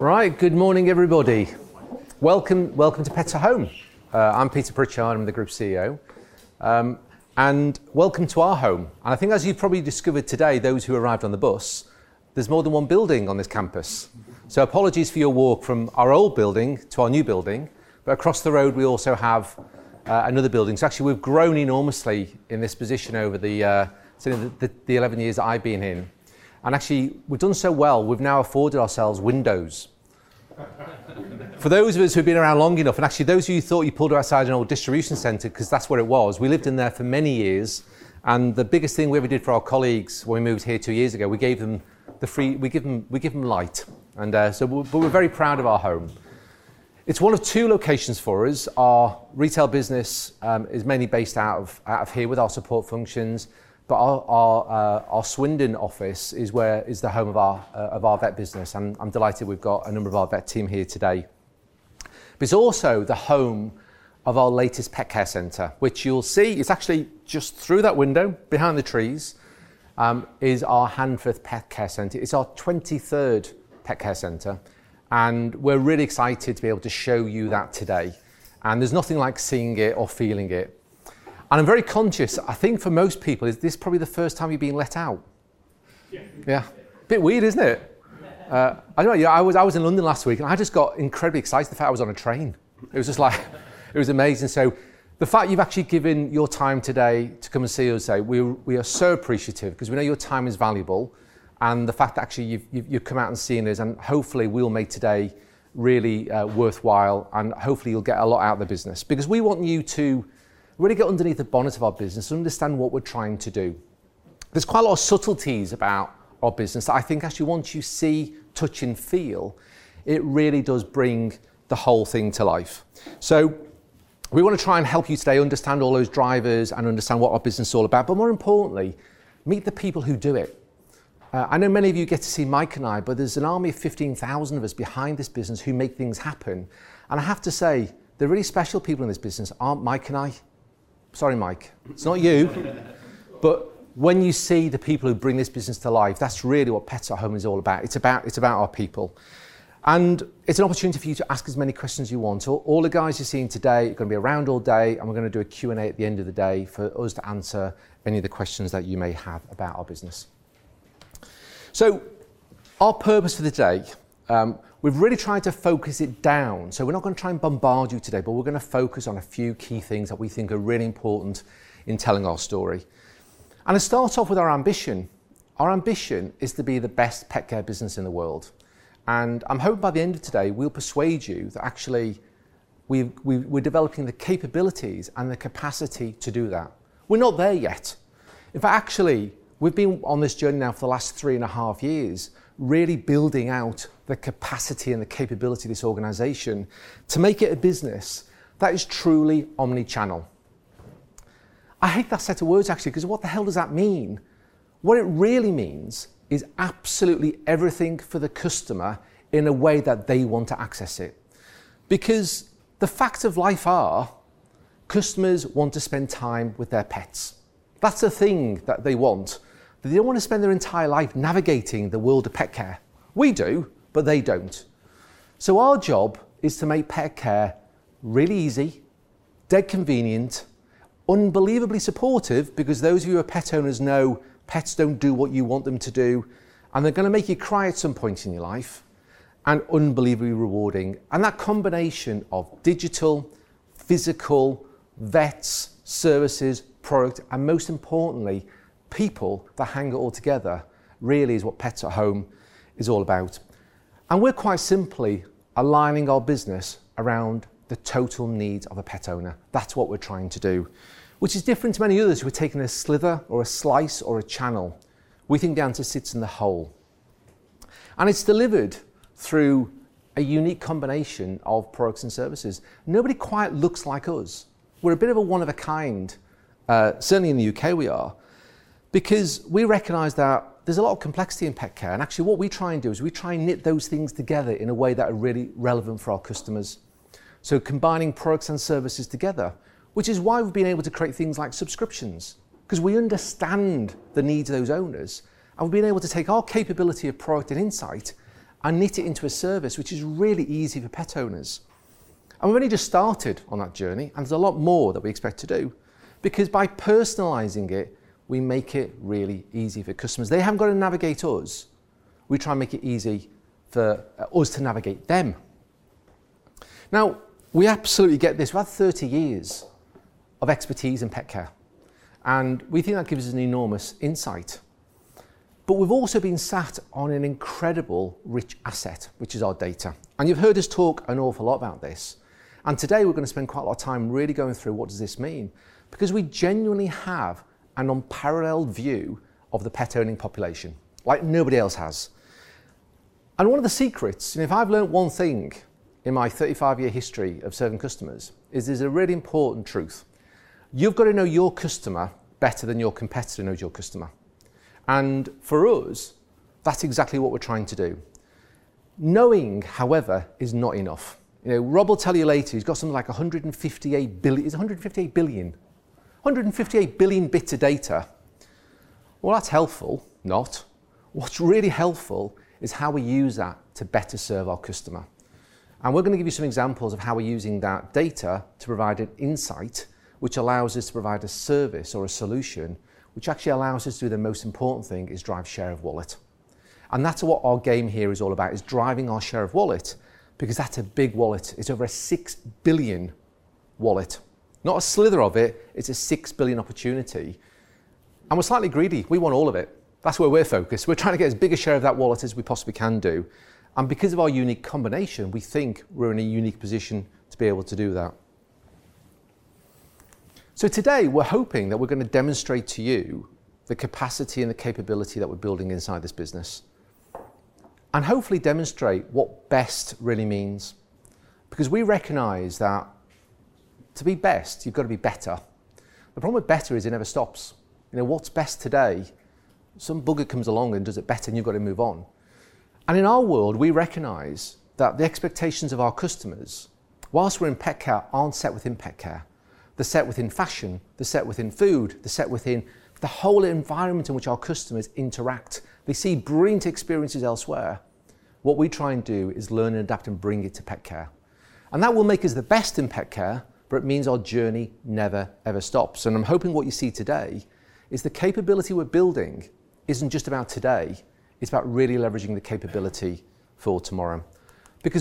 Good morning, everybody. Welcome to Pets at Home. I'm Peter Pritchard, I'm the Group CEO. Welcome to our home. I think as you probably discovered today, those who arrived on the bus, there's more than one building on this campus. Apologies for your walk from our old building to our new building. Across the road, we also have another building. Actually, we've grown enormously in this position over the 11 years that I've been in. Actually, we've done so well, we've now afforded ourselves windows. For those of us who've been around long enough. Actually those of you who thought you pulled outside an old distribution center, because that's what it was. We lived in there for many years. The biggest thing we ever did for our colleagues when we moved here two years ago, we gave them light. We're very proud of our home. It's one of two locations for us. Our retail business is mainly based out of here with our support functions. Our Swindon office is the home of our Vet business. I'm delighted we've got a number of our Vet team here today. It's also the home of our latest Pet Care Center, which you'll see is actually just through that window, behind the trees, is our Handforth Pet Care Center. It's our 23rd Pet Care Center. We're really excited to be able to show you that today. There's nothing like seeing it or feeling it. I'm very conscious, I think for most people, this is probably the first time you've been let out. Yeah. Yeah. Bit weird, isn't it? Yeah. I know. I was in London last week, and I just got incredibly excited the fact I was on a train. It was amazing. The fact you've actually given your time today to come and see us today, we are so appreciative because we know your time is valuable, and the fact that actually you've come out and seen us, and hopefully, we'll make today really worthwhile, and hopefully, you'll get a lot out of the business. We want you to really get underneath the bonnet of our business and understand what we're trying to do. There's quite a lot of subtleties about our business that I think actually once you see, touch, and feel, it really does bring the whole thing to life. We want to try and help you today understand all those drivers and understand what our business is all about, but more importantly, meet the people who do it. I know many of you get to see Mike and I, but there's an army of 15,000 of us behind this business who make things happen, and I have to say, the really special people in this business aren't Mike and I. Sorry, Mike, it's not you. When you see the people who bring this business to life, that's really what Pets at Home is all about. It's about our people. It's an opportunity for you to ask as many questions as you want to all the guys you're seeing today, who are going to be around all day, and we're going to do a Q&A at the end of the day for us to answer any of the questions that you may have about our business. Our purpose for the day, we've really tried to focus it down. We're not going to try and bombard you today, but we're going to focus on a few key things that we think are really important in telling our story. To start off with our ambition. Our ambition is to be the best pet care business in the world, and I'm hoping by the end of today, we'll persuade you that actually, we're developing the capabilities and the capacity to do that. We're not there yet. In fact, actually, we've been on this journey now for the last three and a half years, really building out the capacity and the capability of this organization to make it a business that is truly omnichannel. I hate that set of words, actually, because what the hell does that mean. What it really means is absolutely everything for the customer in a way that they want to access it. The facts of life are customers want to spend time with their pets. That's a thing that they want. They don't want to spend their entire life navigating the world of pet care. We do, but they don't. Our job is to make pet care really easy, dead convenient, unbelievably supportive, because those of you who are pet owners know pets don't do what you want them to do, and they're going to make you cry at some point in your life, and unbelievably rewarding. That combination of digital, physical, vets, services, product, and most importantly, people, that hang it all together really is what Pets at Home is all about. We're quite simply aligning our business around the total needs of a pet owner. That's what we're trying to do. Which is different to many others who are taking a slither or a slice or a channel. We think the answer sits in the whole. It's delivered through a unique combination of products and services. Nobody quite looks like us. We're a bit of a one-of-a-kind, certainly in the U.K. we are. Because we recognize that there's a lot of complexity in pet care, and actually what we try and do is we try and knit those things together in a way that are really relevant for our customers. Combining products and services together, which is why we've been able to create things like subscriptions, because we understand the needs of those owners, and we've been able to take our capability of product and insight and knit it into a service which is really easy for pet owners. We've only just started on that journey, and there's a lot more that we expect to do. Because by personalizing it, we make it really easy for customers. They haven't got to navigate us. We try and make it easy for us to navigate them. Now, we absolutely get this. We've had 30 years of expertise in pet care, we think that gives us an enormous insight. We've also been sat on an incredible, rich asset, which is our data. You've heard us talk an awful lot about this. Today, we're going to spend quite a lot of time really going through what does this mean, because we genuinely have an unparalleled view of the pet-owning population, like nobody else has. One of the secrets, if I've learned one thing in my 35-year history of serving customers, is there's a really important truth. You've got to know your customer better than your competitor knows your customer. For us, that's exactly what we're trying to do. Knowing, however, is not enough. Rob will tell you later, he's got something like 158 billion bits of data. Well, that's helpful. Not. What's really helpful is how we use that to better serve our customer. We're going to give you some examples of how we're using that data to provide an insight, which allows us to provide a service or a solution, which actually allows us to do the most important thing, is drive share of wallet. That's what our game here is all about, is driving our share of wallet, because that's a big wallet. It's over a 6 billion wallet. Not a slither of it's a 6 billion opportunity. We're slightly greedy. We want all of it. That's where we're focused. We're trying to get as big a share of that wallet as we possibly can do. Because of our unique combination, we think we're in a unique position to be able to do that. Today, we're hoping that we're going to demonstrate to you the capacity and the capability that we're building inside this business. Hopefully demonstrate what best really means, because we recognize that to be best, you've got to be better. The problem with better is it never stops. What's best today, some bugger comes along and does it better and you've got to move on. In our world, we recognize that the expectations of our customers, whilst we're in pet care, aren't set within pet care. They're set within fashion, they're set within food, they're set within the whole environment in which our customers interact. They see brilliant experiences elsewhere. What we try and do is learn and adapt and bring it to pet care. That will make us the best in pet care, but it means our journey never, ever stops. I'm hoping what you see today is the capability we're building isn't just about today, it's about really leveraging the capability for tomorrow.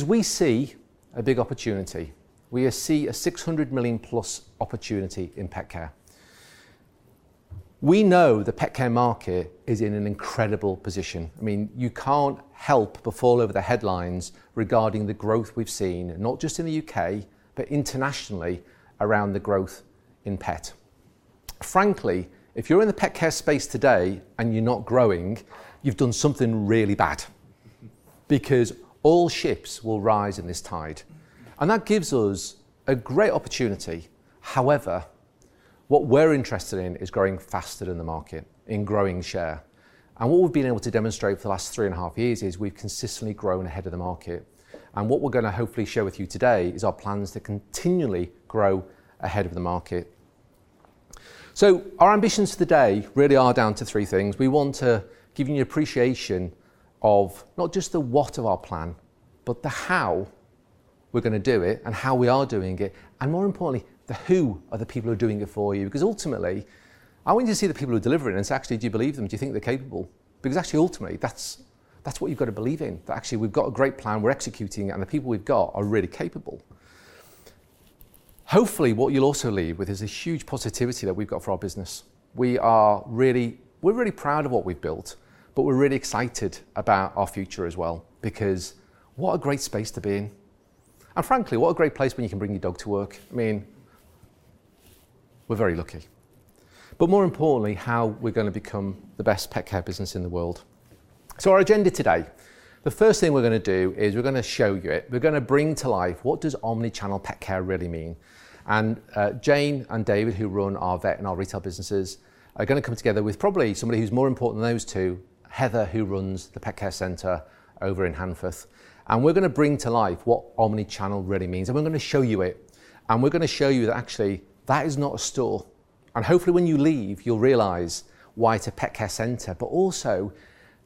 We see a big opportunity. We see a 600 million+ opportunity in pet care. We know the pet care market is in an incredible position. You can't help but fall over the headlines regarding the growth we've seen, not just in the U.K., but internationally around the growth in pet. Frankly, if you're in the pet care space today and you're not growing, you've done something really bad, because all ships will rise in this tide. That gives us a great opportunity. However, what we're interested in is growing faster than the market, in growing share. What we've been able to demonstrate for the last three and a half years is we've consistently grown ahead of the market. What we're going to hopefully share with you today is our plans to continually grow ahead of the market. Our ambitions today really are down to three things. We want to give you an appreciation of not just the what of our plan, but the how we're going to do it and how we are doing it, and more importantly, the who are the people who are doing it for you. Ultimately, I want you to see the people who are delivering this. Actually, do you believe them? Do you think they're capable? Actually, ultimately, that's what you've got to believe in. That actually we've got a great plan, we're executing, and the people we've got are really capable. Hopefully, what you'll also leave with is a huge positivity that we've got for our business. We're really proud of what we've built, but we're really excited about our future as well, because what a great space to be in. Frankly, what a great place when you can bring your dog to work. We're very lucky. More importantly, how we're going to become the best pet care business in the world. Our agenda today, the first thing we're going to do is we're going to show you, we're going to bring to life what does omnichannel pet care really mean. Jane and David, who run our vet and our retail businesses, are going to come together with probably somebody who's more important than those two, Heather, who runs the Handforth Pet Care Center. We're going to bring to life what omnichannel really means, and we're going to show you it. We're going to show you that actually that is not a store. Hopefully when you leave, you'll realize why it's a Pet Care Center, but also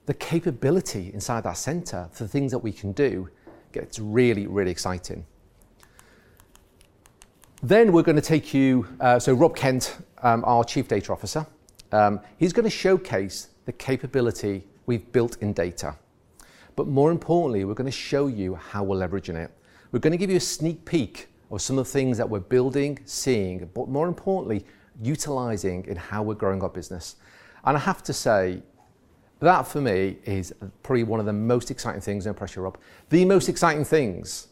the capability inside that center for things that we can do. It's really, really exciting. Rob Kent, our Chief Data Officer, he's going to showcase the capability we've built in data. More importantly, we're going to show you how we're leveraging it. We're going to give you a sneak peek of some of the things that we're building, seeing, but more importantly, utilizing in how we're growing our business. I have to say, that for me is probably one of the most exciting things, no pressure, Rob, the most exciting things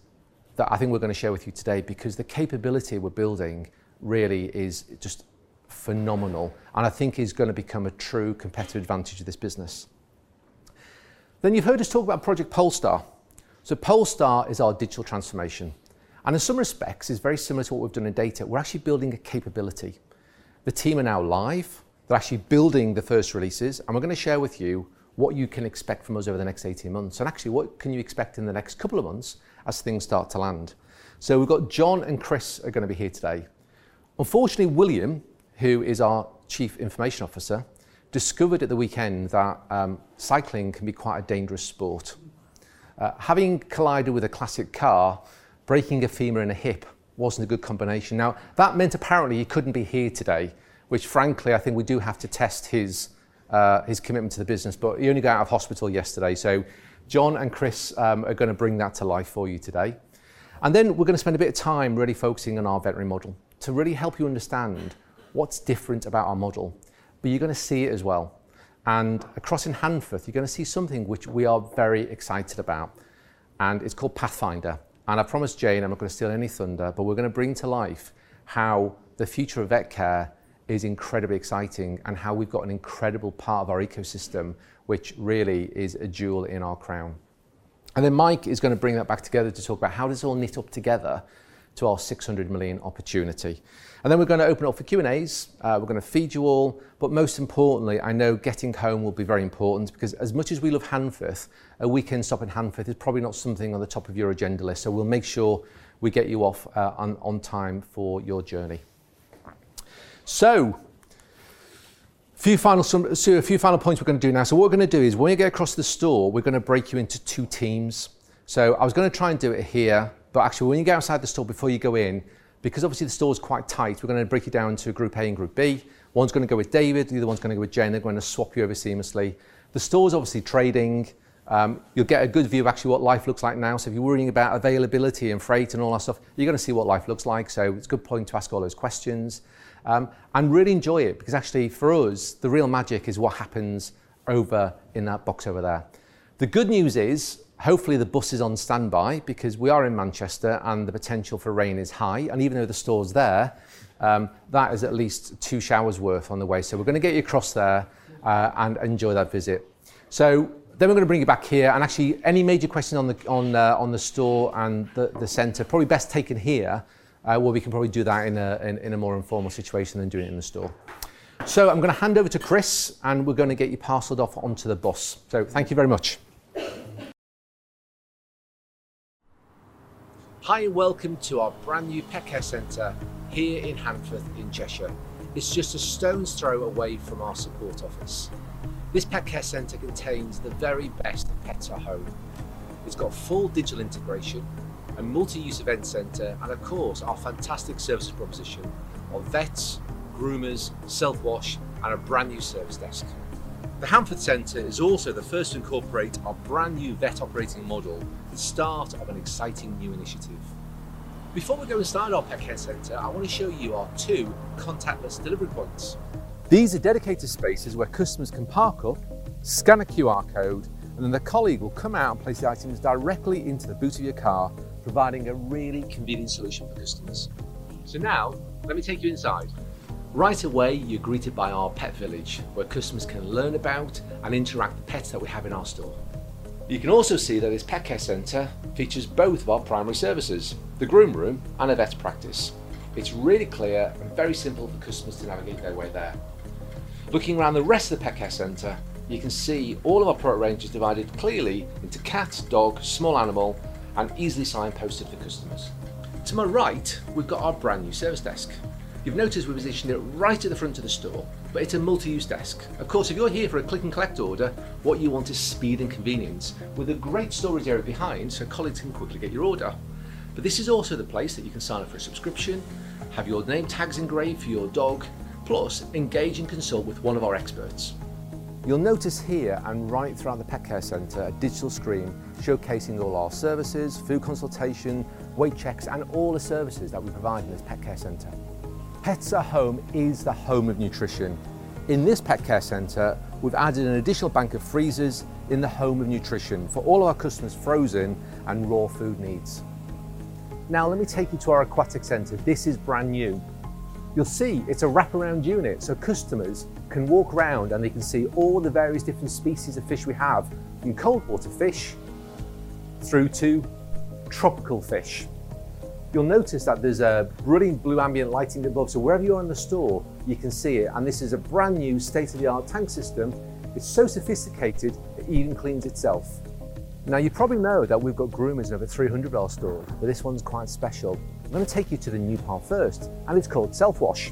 that I think we're going to share with you today, because the capability we're building really is just phenomenal, and I think is going to become a true competitive advantage of this business. You've heard us talk about Project Polestar. Polestar is our digital transformation. In some respects, it's very similar to what we've done in data. We're actually building a capability. The team are now live. They're actually building the first releases, and we're going to share with you what you can expect from us over the next 18 months. Actually, what can you expect in the next couple of months as things start to land. We've got Jon and Chris are going to be here today. Unfortunately, William, who is our Chief Information Officer, discovered at the weekend that cycling can be quite a dangerous sport. Having collided with a classic car, breaking a femur and a hip wasn't a good combination. That meant apparently he couldn't be here today, which frankly, I think we do have to test his commitment to the business, but he only got out of hospital yesterday, so Jon and Chris are going to bring that to life for you today. Then we're going to spend a bit of time really focusing on our veterinary model to really help you understand what's different about our model. You're going to see it as well. Across in Handforth, you're going to see something which we are very excited about, and it's called Pathfinder. I promised Jane I'm not going to steal any thunder, but we're going to bring to life how the future of vet care is incredibly exciting, and how we've got an incredible part of our ecosystem, which really is a jewel in our crown. Mike is going to bring that back together to talk about how does this all knit up together to our 600 million opportunity. We're going to open up for Q&As. We're going to feed you all. Most importantly, I know getting home will be very important because as much as we love Handforth, a weekend stop in Handforth is probably not something on the top of your agenda list. We'll make sure we get you off on time for your journey. Few final points we're going to do now. What we're going to do is when we get across to the store, we're going to break you into two teams. I was going to try and do it here, but actually when you go outside the store, before you go in, because obviously the store's quite tight, we're going to break you down into Group A and Group B. One's going to go with David, the other one's going to go with Jen. They're going to swap you over seamlessly. The store's obviously trading. You'll get a good view of actually what life looks like now. If you're worrying about availability and freight and all that stuff, you're going to see what life looks like. It's a good point to ask all those questions. Really enjoy it, because actually for us, the real magic is what happens over in that box over there. The good news is, hopefully the bus is on standby because we are in Manchester, and the potential for rain is high, and even though the store's there, that is at least two showers' worth on the way. We're going to get you across there, and enjoy that visit. We're going to bring you back here, and actually any major questions on the store and the center, probably best taken here, where we can probably do that in a more informal situation than doing it in the store. I'm going to hand over to Chris, and we're going to get you parceled off onto the bus. Thank you very much. Hi, and welcome to our brand new Handforth Pet Care Center here in Handforth, in Cheshire. It's just a stone's throw away from our support office. This Pet Care Center contains the very best of Pets at Home. It's got full digital integration, a multi-use event center, and of course, our fantastic services proposition of vets, groomers, self-wash, and a brand-new service desk. The Handforth center is also the first to incorporate our brand new vet operating model, the start of an exciting new initiative. Before we go inside our Pet Care Center, I want to show you our two contactless delivery points. These are dedicated spaces where customers can park up, scan a QR code, and then the colleague will come out and place the items directly into the boot of your car, providing a really convenient solution for customers. Now, let me take you inside. Right away, you're greeted by our pet village, where customers can learn about and interact with pets that we have in our store. You can also see that this Pet Care Center features both of our primary services, the Groom room and a vet practice. It's really clear and very simple for customers to navigate their way there. Looking around the rest of the Pet Care Center, you can see all of our product range is divided clearly into cat, dog, small animal, and easily signposted for customers. To my right, we've got our brand new service desk. You've noticed we've positioned it right at the front of the store, it's a multi-use desk. Of course, if you're here for a click and collect order, what you want is speed and convenience, with a great storage area behind so colleagues can quickly get your order. This is also the place that you can sign up for a subscription, have your name tags engraved for your dog, plus engage and consult with one of our experts. You'll notice here and right throughout the Pet Care Center, a digital screen showcasing all our services, food consultation, weight checks, and all the services that we provide in this Pet Care Center. Pets at Home is the home of nutrition. In this Pet Care Center, we've added an additional bank of freezers in the home of nutrition for all our customers' frozen and raw food needs. Let me take you to our aquatic center. This is brand new. You'll see it's a wraparound unit, so customers can walk around, and they can see all the various different species of fish we have, from cold water fish through to tropical fish. You'll notice that there's a brilliant blue ambient lighting above, so wherever you are in the store, you can see it, and this is a brand new state-of-the-art tank system. It's so sophisticated, it even cleans itself. You probably know that we've got groomers in over 300 of our stores, this one's quite special. I'm going to take you to the new part first, it's called self-wash.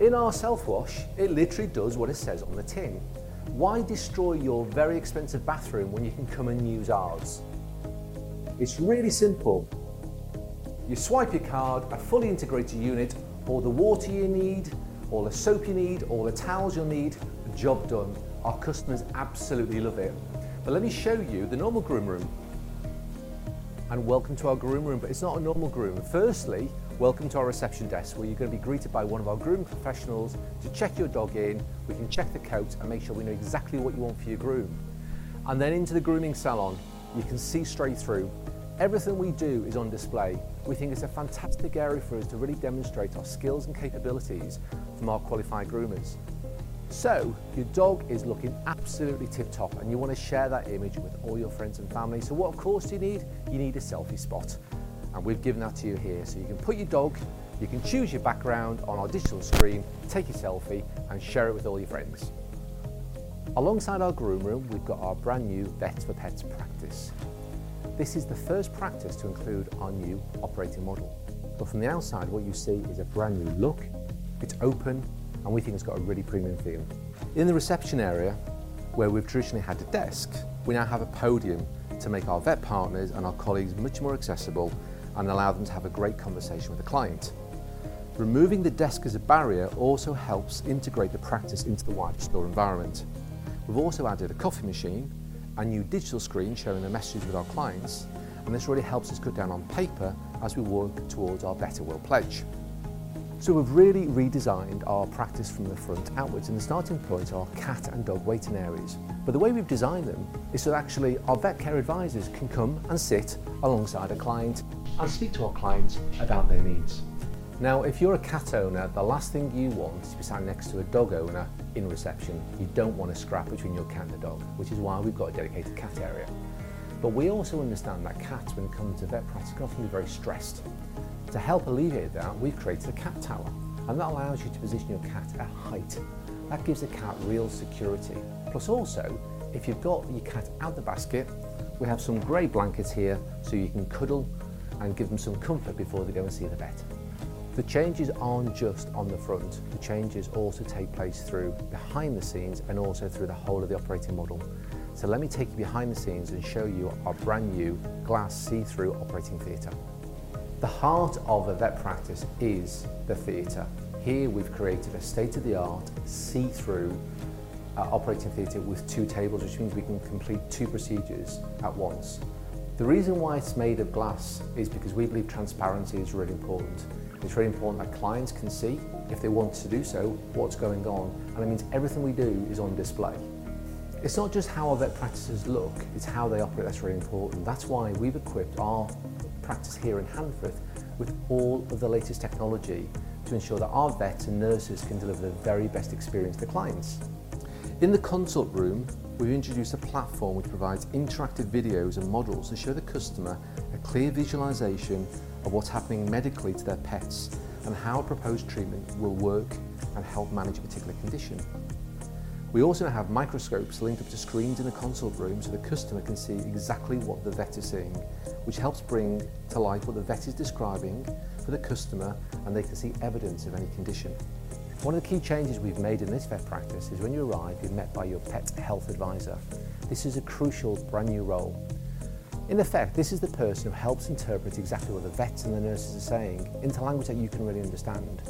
In our self-wash, it literally does what it says on the tin. Why destroy your very expensive bathroom when you can come and use ours? It's really simple. You swipe your card, a fully integrated unit, all the water you need, all the soap you need, all the towels you'll need, job done. Our customers absolutely love it. Let me show you the normal groom room. Welcome to our groom room, it's not a normal groom room. Firstly, welcome to our reception desk, where you're going to be greeted by one of our groom professionals to check your dog in. We can check the coat and make sure we know exactly what you want for your groom. Then into the grooming salon. You can see straight through. Everything we do is on display. We think it's a fantastic area for us to really demonstrate our skills and capabilities from our qualified groomers. Your dog is looking absolutely tip top, and you want to share that image with all your friends and family. What, of course, do you need? You need a selfie spot, and we've given that to you here. You can put your dog, you can choose your background on our digital screen, take your selfie, and share it with all your friends. Alongside our groom room, we've got our brand new Vets4Pets practice. This is the first practice to include our new operating model, but from the outside, what you see is a brand new look. It's open, and we think it's got a really premium feel. In the reception area, where we've traditionally had a desk, we now have a podium to make our vet partners and our colleagues much more accessible and allow them to have a great conversation with the client. Removing the desk as a barrier also helps integrate the practice into the wider store environment. We've also added a coffee machine, a new digital screen showing a message with our clients, and this really helps us cut down on paper as we work towards our better world pledge. We've really redesigned our practice from the front outwards, and the starting point are cat and dog waiting areas. The way we've designed them is so actually our vet care advisors can come and sit alongside a client and speak to our clients about their needs. If you're a cat owner, the last thing you want is to be sat next to a dog owner in reception. You don't want a scrap between your cat and a dog, which is why we've got a dedicated cat area. We also understand that cats, when it comes to vet practice, can often be very stressed. To help alleviate that, we've created a cat tower, and that allows you to position your cat at height. That gives a cat real security. Also, if you've got your cat out the basket, we have some gray blankets here so you can cuddle and give them some comfort before they go and see the vet. The changes aren't just on the front. The changes also take place through behind the scenes and also through the whole of the operating model. Let me take you behind the scenes and show you our brand-new glass see-through operating theater. The heart of a vet practice is the theater. Here, we've created a state-of-the-art see-through operating theater with two tables, which means we can complete two procedures at once. The reason why it's made of glass is because we believe transparency is really important. It's really important that clients can see, if they want to do so, what's going on, and it means everything we do is on display. It's not just how our vet practices look, it's how they operate that's really important. That's why we've equipped our practice here in Handforth with all of the latest technology to ensure that our vets and nurses can deliver the very best experience to clients. In the consult room, we've introduced a platform which provides interactive videos and models that show the customer a clear visualization of what's happening medically to their pets and how a proposed treatment will work and help manage a particular condition. We also have microscopes linked up to screens in the consult room, so the customer can see exactly what the vet is seeing, which helps bring to life what the vet is describing for the customer, and they can see evidence of any condition. One of the key changes we've made in this vet practice is when you arrive, you're met by your pet's health advisor. This is a crucial brand-new role. In effect, this is the person who helps interpret exactly what the vets and the nurses are saying into language that you can really understand,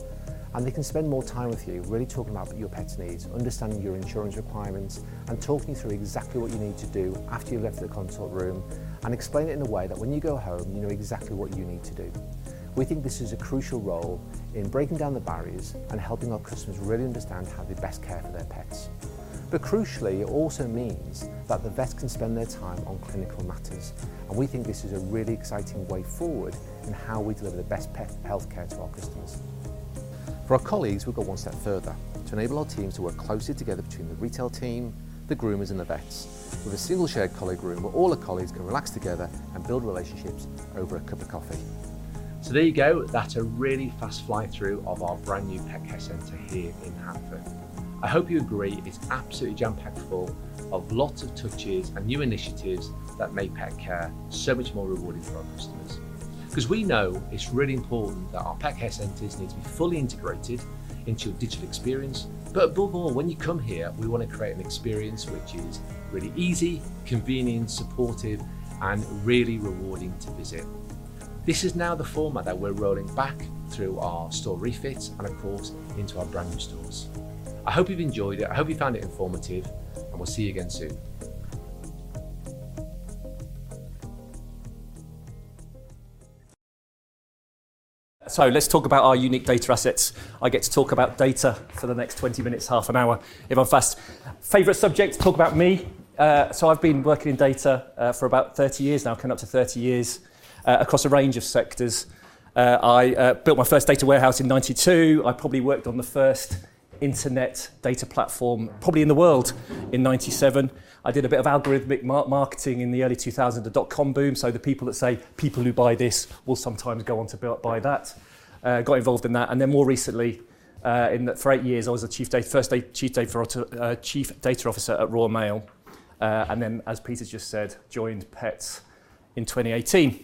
and they can spend more time with you really talking about what your pet's needs, understanding your insurance requirements, and talking through exactly what you need to do after you've left the consult room, and explain it in a way that when you go home, you know exactly what you need to do. We think this is a crucial role in breaking down the barriers and helping our customers really understand how they best care for their pets. Crucially, it also means that the vets can spend their time on clinical matters, and we think this is a really exciting way forward in how we deliver the best pet healthcare to our customers. For our colleagues, we've got one step further to enable our teams to work closely together between the retail team, the groomers, and the vets, with a single shared colleague room where all the colleagues can relax together and build relationships over a cup of coffee. There you go. That's a really fast fly-through of our brand-new Pet Care Center here in Handforth. I hope you agree, it's absolutely jam-packed full of lots of touches and new initiatives that make pet care so much more rewarding for our customers. We know it's really important that our Pet Care Centers need to be fully integrated into your digital experience. Above more, when you come here, we want to create an experience which is really easy, convenient, supportive, and really rewarding to visit. This is now the format that we're rolling back through our store refits and of course, into our brand-new stores. I hope you've enjoyed it. I hope you found it informative. We'll see you again soon. Let's talk about our unique data assets. I get to talk about data for the next 20 minutes, half an hour if I'm fast. Favorite subject, talk about me. I've been working in data for about 30 years now, coming up to 30 years, across a range of sectors. I built my first data warehouse in 1992. I probably worked on the first internet data platform probably in the world in 1997. I did a bit of algorithmic marketing in the early 2000, the dot-com boom, so the people that say, "People who buy this will sometimes go on to buy that." I got involved in that, and then more recently, for eight years, I was the chief data officer at Royal Mail. As Peter's just said, I joined Pets in 2018.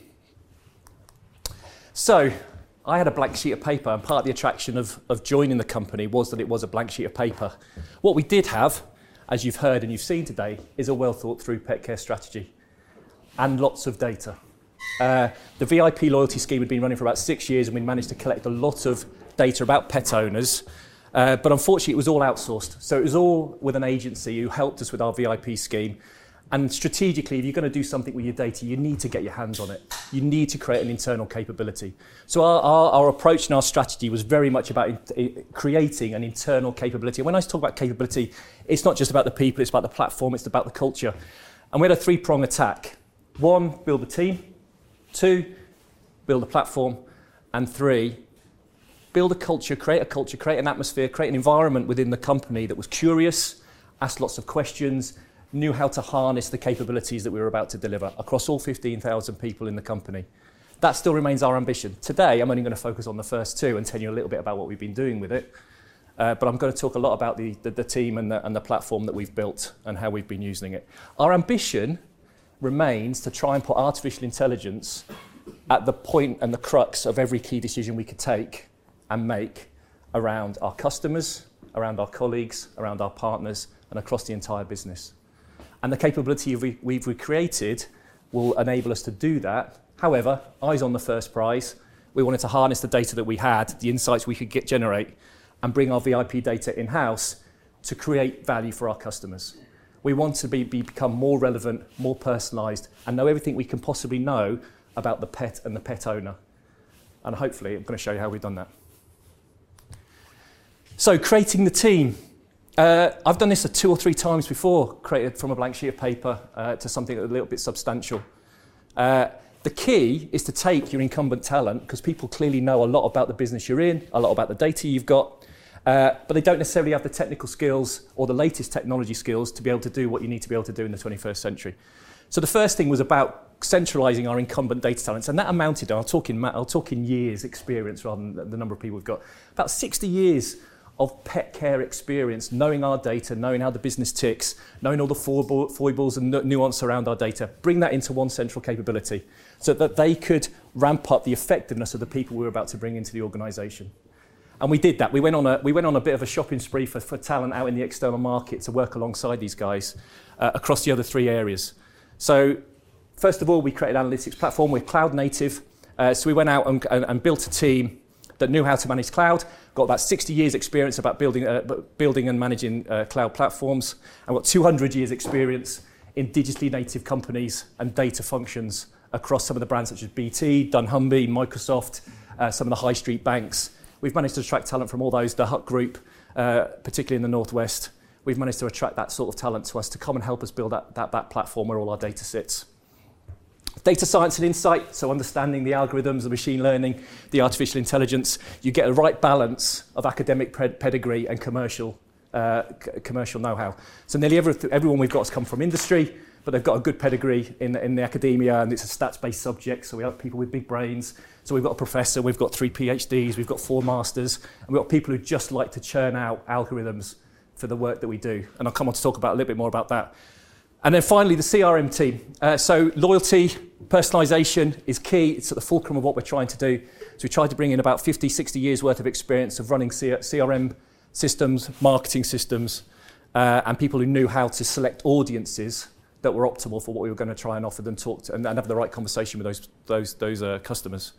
I had a blank sheet of paper, and part of the attraction of joining the company was that it was a blank sheet of paper. What we did have, as you've heard and you've seen today, is a well-thought-through pet care strategy and lots of data. The VIP loyalty scheme had been running for about six years, and we managed to collect a lot of data about pet owners. Unfortunately, it was all outsourced, so it was all with an agency who helped us with our VIP scheme, and strategically, if you're going to do something with your data, you need to get your hands on it. You need to create an internal capability. Our approach and our strategy was very much about creating an internal capability, and when I talk about capability, it's not just about the people, it's about the platform, it's about the culture. We had a three-prong attack. one, build a team, two, build a platform, and three, build a culture, create a culture, create an atmosphere, create an environment within the company that was curious, asked lots of questions, knew how to harness the capabilities that we were about to deliver across all 15,000 people in the company. That still remains our ambition. Today, I'm only going to focus on the first two and tell you a little bit about what we've been doing with it, but I'm going to talk a lot about the team and the platform that we've built and how we've been using it. Our ambition remains to try and put artificial intelligence at the point and the crux of every key decision we could take and make around our customers, around our colleagues, around our partners, and across the entire business. The capability we've created will enable us to do that. However, eyes on the first prize, we wanted to harness the data that we had, the insights we could generate, and bring our VIP data in-house to create value for our customers. We want to become more relevant, more personalized, and know everything we can possibly know about the pet and the pet owner, and hopefully, I'm going to show you how we've done that. Creating the team. I've done this two or three times before, created from a blank sheet of paper to something a little bit substantial. The key is to take your incumbent talent because people clearly know a lot about the business you're in, a lot about the data you've got. They don't necessarily have the technical skills or the latest technology skills to be able to do what you need to be able to do in the 21st century. The first thing was about centralizing our incumbent data talents, and that amounted, I'll talk in years' experience rather than the number of people we've got. About 60 years of pet care experience, knowing our data, knowing how the business ticks, knowing all the foibles and nuance around our data, bring that into one central capability so that they could ramp up the effectiveness of the people we were about to bring into the organization. We did that. We went on a bit of a shopping spree for talent out in the external market to work alongside these guys across the other three areas. First of all, we created an analytics platform with cloud native. We went out and built a team that knew how to manage cloud, got about 60 years experience about building and managing cloud platforms, and got 200 years experience in digitally native companies and data functions across some of the brands such as BT, dunnhumby, Microsoft, some of the high street banks. We've managed to attract talent from all those. The Hut Group, particularly in the Northwest. We've managed to attract that sort of talent to us to come and help us build that platform where all our data sits. Data science and insight, so understanding the algorithms, the machine learning, the artificial intelligence. You get a right balance of academic pedigree and commercial knowhow. Nearly everyone we've got has come from industry, but they've got a good pedigree in academia, and it's a stats-based subject, so we have people with big brains. We've got a professor, we've got three PhDs, we've got four masters, and we've got people who just like to churn out algorithms for the work that we do. I'll come on to talk a little bit more about that. Finally, the CRM team. Loyalty personalization is key. It's at the fulcrum of what we're trying to do. We tried to bring in about 50, 60 years worth of experience of running CRM systems, marketing systems, and people who knew how to select audiences that were optimal for what we were going to try and offer them and have the right conversation with those customers.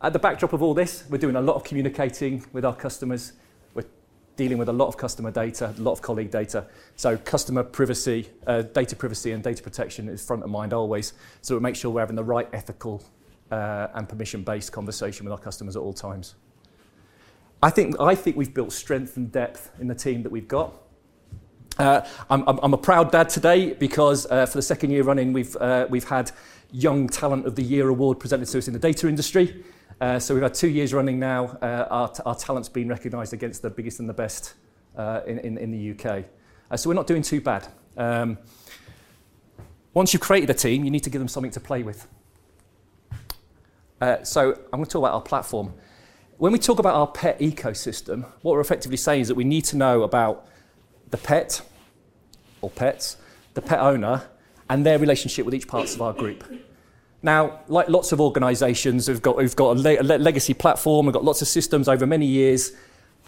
At the backdrop of all this, we're doing a lot of communicating with our customers. We're dealing with a lot of customer data, a lot of colleague data. Customer privacy, data privacy and data protection is front of mind always. We make sure we're having the right ethical, and permission-based conversation with our customers at all times. I think we've built strength and depth in the team that we've got. I'm a proud dad today because, for the second year running, we've had Young Talent of the Year award presented to us in the data industry. We've had two years running now, our talent's been recognized against the biggest and the best in the U.K. We're not doing too bad. Once you've created a team, you need to give them something to play with. I'm going to talk about our platform. When we talk about our pet ecosystem, what we're effectively saying is that we need to know about the pet or pets, the pet owner, and their relationship with each part of our group. Like lots of organizations who've got a legacy platform, who've got lots of systems over many years.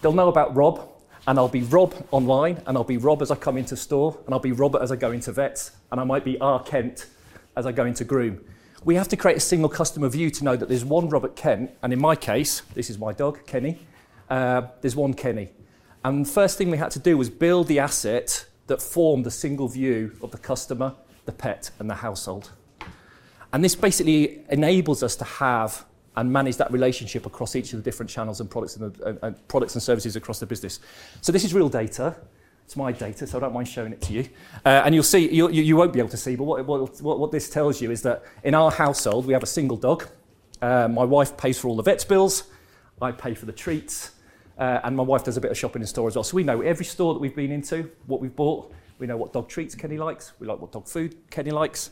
They'll know about Rob, and I'll be Rob online, and I'll be Rob as I come into store, and I'll be Robert as I go into vets, and I might be R. Kent as I go into groom. We have to create a single customer view to know that there's one Robert Kent, and in my case, this is my dog, Kenny. There's one Kenny. The first thing we had to do was build the asset that formed a single view of the customer, the pet, and the household. This basically enables us to have and manage that relationship across each of the different channels and products and services across the business. This is real data. It's my data, I don't mind showing it to you. You won't be able to see, but what this tells you is that in our household, we have a single dog. My wife pays for all the vet bills. I pay for the treats. My wife does a bit of shopping in store as well. We know every store that we've been into, what we've bought, we know what dog treats Kenny likes. We know what dog food Kenny likes.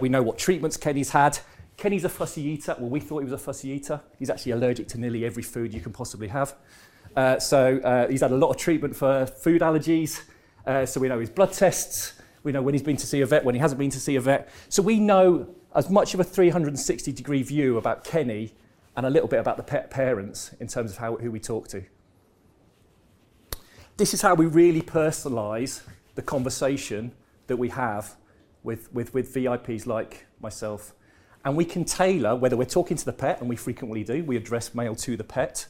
We know what treatments Kenny's had. Kenny's a fussy eater. Well, we thought he was a fussy eater. He's actually allergic to nearly every food you can possibly have. He's had a lot of treatment for food allergies. We know his blood tests. We know when he's been to see a vet, when he hasn't been to see a vet. We know as much of a 360-degree view about Kenny and a little bit about the pet parents in terms of who we talk to. This is how we really personalize the conversation that we have with VIPs like myself. We can tailor whether we're talking to the pet, and we frequently do. We address mail to the pet.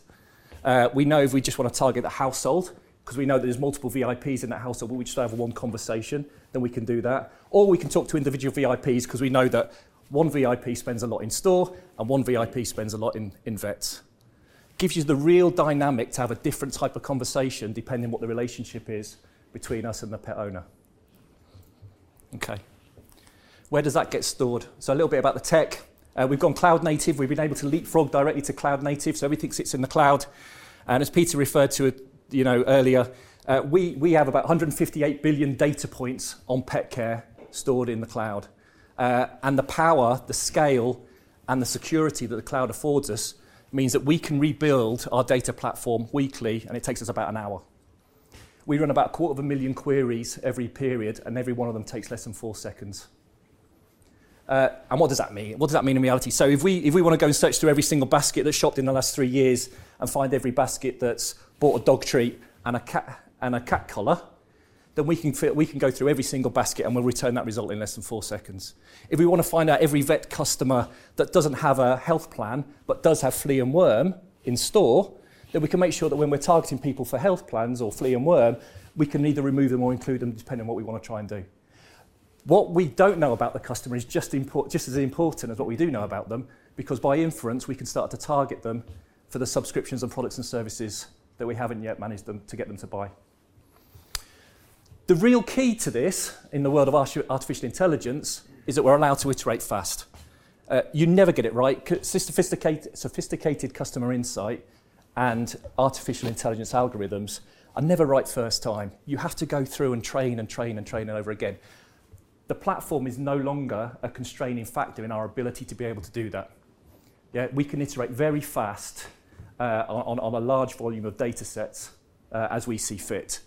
We know if we just want to target the household because we know there's multiple VIPs in that household, but we just have one conversation, then we can do that. We can talk to individual VIPs because we know that one VIP spends a lot in store and one VIP spends a lot in vets. Gives you the real dynamic to have a different type of conversation depending what the relationship is between us and the pet owner. Okay. Where does that get stored? A little bit about the tech. We've gone cloud native. We've been able to leapfrog directly to cloud native. Everything sits in the cloud. As Peter referred to it earlier, we have about 158 billion data points on pet care stored in the cloud. The power, the scale, and the security that the cloud affords us means that we can rebuild our data platform weekly, and it takes us about an hour. We run about quarter of a million queries every period, and every one of them takes less than four seconds. What does that mean? What does that mean in reality? If we want to go and search through every single basket that's shopped in the last three years and find every basket that's bought a dog treat and a cat collar, then we can go through every single basket and we'll return that result in less than four seconds. If we want to find out every vet customer that doesn't have a health plan but does have flea and worm in store, then we can make sure that when we're targeting people for health plans or flea and worm, we can either remove them or include them, depending on what we want to try and do. What we don't know about the customer is just as important as what we do know about them, because by inference, we can start to target them for the subscriptions and products and services that we haven't yet managed them to get them to buy. The real key to this in the world of artificial intelligence is that we're allowed to iterate fast. You never get it right. Sophisticated customer insight and artificial intelligence algorithms are never right first time. You have to go through and train and train and train and over again. The platform is no longer a constraining factor in our ability to be able to do that. Yet we can iterate very fast, on a large volume of datasets. As we see fit.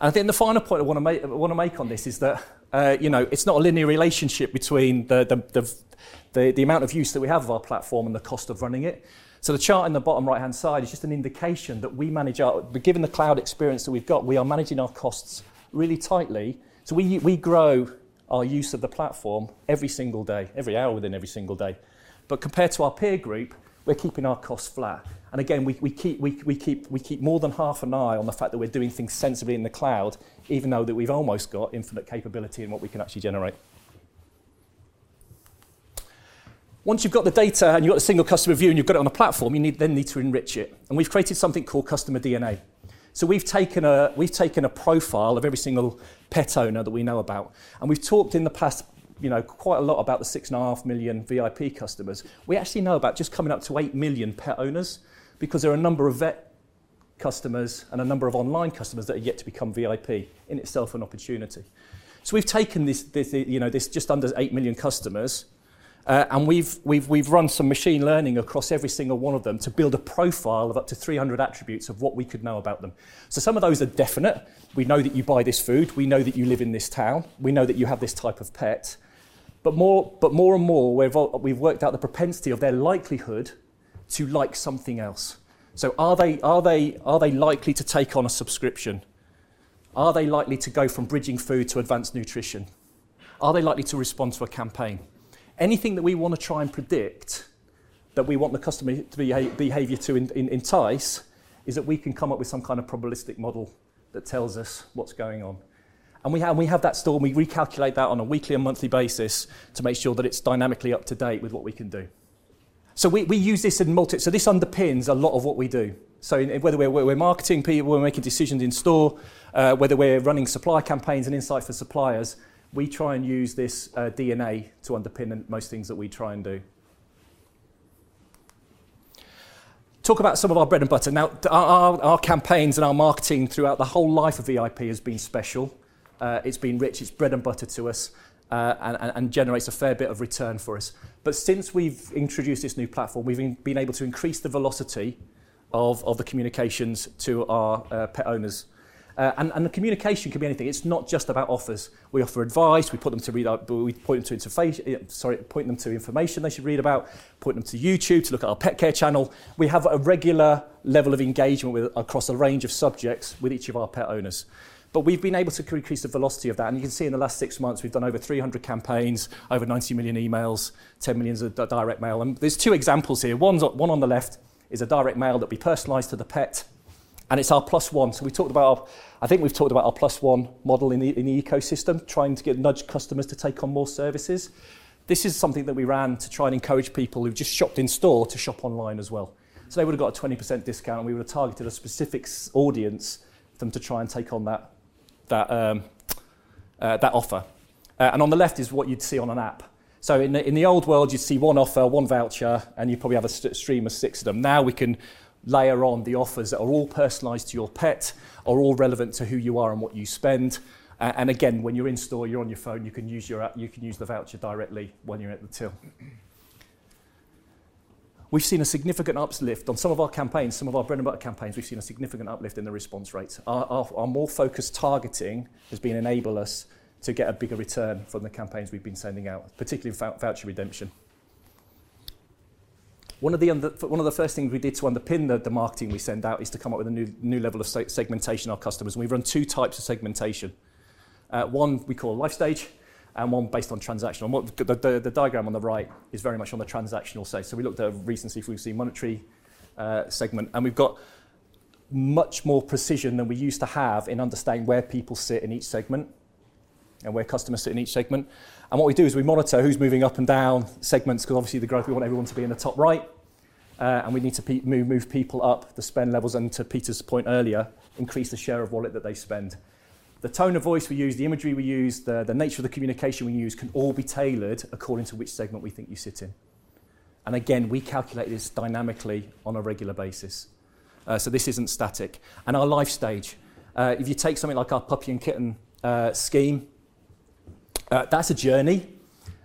I think the final point I want to make on this is that it's not a linear relationship between the amount of use that we have of our platform and the cost of running it. The chart in the bottom right-hand side is just an indication that given the cloud experience that we've got, we are managing our costs really tightly. We grow our use of the platform every single day, every hour within every single day. Compared to our peer group, we're keeping our costs flat. Again, we keep more than half an eye on the fact that we're doing things sensibly in the cloud, even though that we've almost got infinite capability in what we can actually generate. Once you've got the data and you've got a single customer view and you've got it on a platform, you then need to enrich it. We've created something called customer DNA. We've taken a profile of every single pet owner that we know about. We've talked in the past quite a lot about the 6.5 million VIP customers. We actually know about just coming up to 8 million pet owners because there are a number of vet customers and a number of online customers that are yet to become VIP, in itself an opportunity. We've taken this just under 8 million customers, and we've run some machine learning across every single one of them to build a profile of up to 300 attributes of what we could know about them. Some of those are definite. We know that you buy this food. We know that you live in this town. We know that you have this type of pet. More and more, we've worked out the propensity of their likelihood to like something else. Are they likely to take on a subscription? Are they likely to go from bridging food to advanced nutrition? Are they likely to respond to a campaign? Anything that we want to try and predict that we want the customer behavior to entice is that we can come up with some kind of probabilistic model that tells us what's going on. We have that stored, and we recalculate that on a weekly and monthly basis to make sure that it's dynamically up to date with what we can do. This underpins a lot of what we do. Whether we're marketing people, we're making decisions in store, whether we're running supply campaigns and insight for suppliers, we try and use this DNA to underpin most things that we try and do. Talk about some of our bread and butter. Our campaigns and our marketing throughout the whole life of VIP has been special. It's been rich. It's bread and butter to us and generates a fair bit of return for us. Since we've introduced this new platform, we've been able to increase the velocity of the communications to our pet owners. The communication could be anything. It's not just about offers. We offer advice. We point them to information they should read about, point them to YouTube to look at our pet care channel. We have a regular level of engagement across a range of subjects with each of our pet owners. We've been able to increase the velocity of that. You can see in the last 6 months, we've done over 300 campaigns, over 90 million emails, 10 millions of direct mail. There's two examples here. One on the left is a direct mail that we personalized to the pet, and it's our plus one. I think we've talked about our plus one model in the ecosystem, trying to nudge customers to take on more services. This is something that we ran to try and encourage people who've just shopped in store to shop online as well. They would've got a 20% discount, and we would've targeted a specific audience for them to try and take on that offer. On the left is what you'd see on an app. In the old world, you'd see one offer, one voucher, and you probably have a stream of six of them. Now we can layer on the offers that are all personalized to your pet, are all relevant to who you are and what you spend. Again, when you're in store, you're on your phone, you can use the voucher directly when you're at the till. We've seen a significant uplift on some of our campaigns, some of our bread and butter campaigns. We've seen a significant uplift in the response rates. Our more focused targeting has been enable us to get a bigger return from the campaigns we've been sending out, particularly voucher redemption. One of the first things we did to underpin the marketing we send out is to come up with a new level of segmentation of our customers. We've run two types of segmentation. One we call life stage, and one based on transaction. The diagram on the right is very much on the transactional side. We looked at recency, frequency, monetary segment, we've got much more precision than we used to have in understanding where people sit in each segment and where customers sit in each segment. What we do is we monitor who's moving up and down segments because obviously the growth, we want everyone to be in the top right. We need to move people up the spend levels, and to Peter's point earlier, increase the share of wallet that they spend. The tone of voice we use, the imagery we use, the nature of the communication we use can all be tailored according to which segment we think you sit in. Again, we calculate this dynamically on a regular basis. This isn't static. Our life stage, if you take something like our Puppy and Kitten Scheme, that's a journey.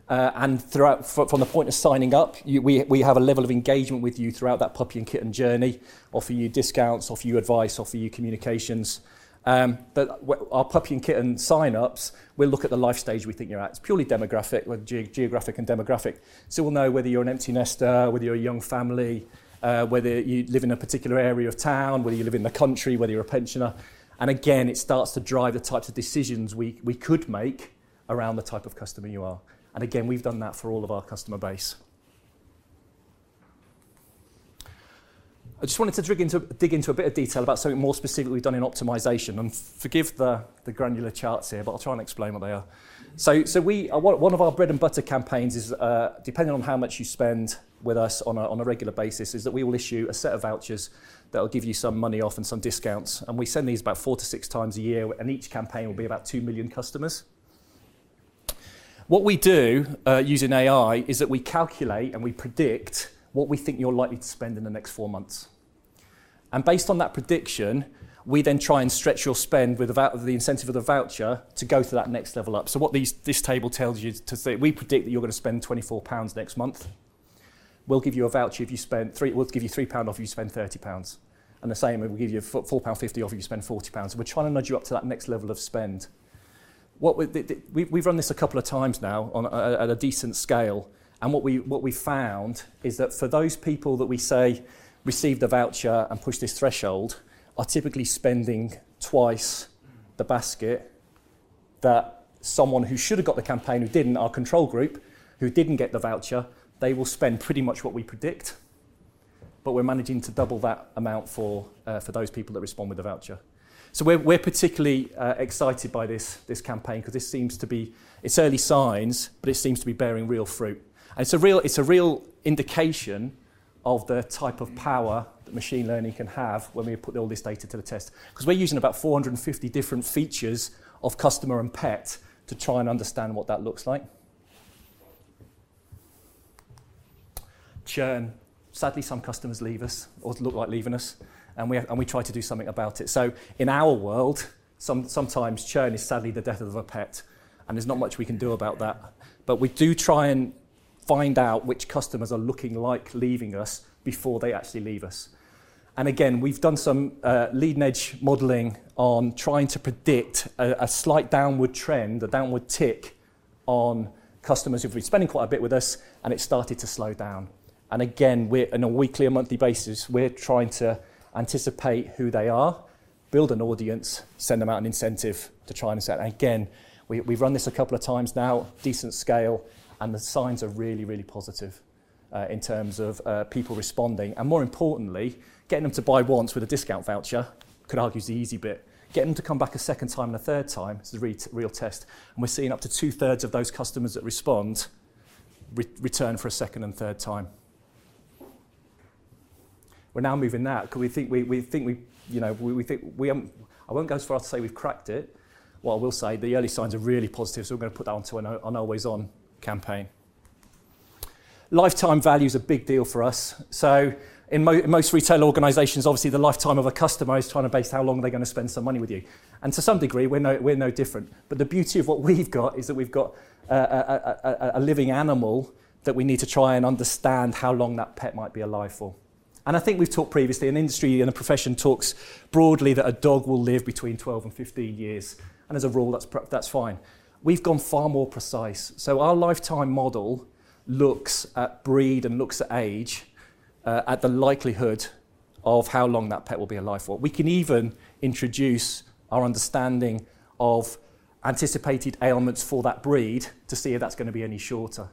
From the point of signing up, we have a level of engagement with you throughout that puppy and kitten journey, offer you discounts, offer you advice, offer you communications. Our Puppy and Kitten signups, we'll look at the life stage we think you're at. It's purely demographic, geographic and demographic. We'll know whether you're an empty nester, whether you're a young family, whether you live in a particular area of town, whether you live in the country, whether you're a pensioner. Again, it starts to drive the types of decisions we could make around the type of customer you are. Again, we've done that for all of our customer base. I just wanted to dig into a bit of detail about something more specifically done in optimization, and forgive the granular charts here, but I'll try and explain what they are. One of our bread and butter campaigns is, depending on how much you spend with us on a regular basis, is that we will issue a set of vouchers that will give you some money off and some discounts. We send these about four to six times a year, and each campaign will be about 2 million customers. What we do using AI is that we calculate and we predict what we think you're likely to spend in the next four months. Based on that prediction, we try and stretch your spend with the incentive of the voucher to go to that next level up. What this table tells you to say, we predict that you're going to spend 24 pounds next month. We'll give you 3 off if you spend 30 pounds. The same, we give you 4.50 pound off if you spend 40 pounds. We're trying to nudge you up to that next level of spend. We've run this a couple of times now at a decent scale, what we've found is that for those people that we say receive the voucher and push this threshold, are typically spending twice the basket that someone who should have got the campaign, who didn't, our control group, who didn't get the voucher, they will spend pretty much what we predict. We're managing to double that amount for those people that respond with the voucher. We're particularly excited by this campaign because it's early signs, but it seems to be bearing real fruit. It's a real indication of the type of power that machine learning can have when we put all this data to the test. Because we're using about 450 different features of customer and pet to try and understand what that looks like. Churn. Sadly, some customers leave us, or look like leaving us, and we try to do something about it. In our world, sometimes churn is sadly the death of a pet, and there's not much we can do about that. We do try and find out which customers are looking like leaving us before they actually leave us. Again, we've done some leading-edge modeling on trying to predict a slight downward trend, a downward tick on customers who've been spending quite a bit with us, and it's started to slow down. Again, on a weekly and monthly basis, we're trying to anticipate who they are, build an audience, send them out an incentive to try and set. Again, we've run this a couple of times now, decent scale, and the signs are really, really positive, in terms of people responding. More importantly, getting them to buy once with a discount voucher could argue is the easy bit. Getting them to come back a second time and a third time is the real test, and we're seeing up to 2/3 of those customers that respond return for a second and third time. We're now moving that because we think I won't go as far as to say we've cracked it. Well, I will say the early signs are really positive, so we're going to put that onto an always-on campaign. Lifetime value is a big deal for us. In most retail organizations, obviously the lifetime of a customer is trying to base how long are they going to spend some money with you. To some degree, we're no different. The beauty of what we've got is that we've got a living animal that we need to try and understand how long that pet might be alive for. I think we've talked previously, and the industry and the profession talks broadly that a dog will live between 12 and 15 years. As a rule, that's fine. We've gone far more precise. Our lifetime model looks at breed and looks at age, at the likelihood of how long that pet will be alive for. We can even introduce our understanding of anticipated ailments for that breed to see if that's going to be any shorter.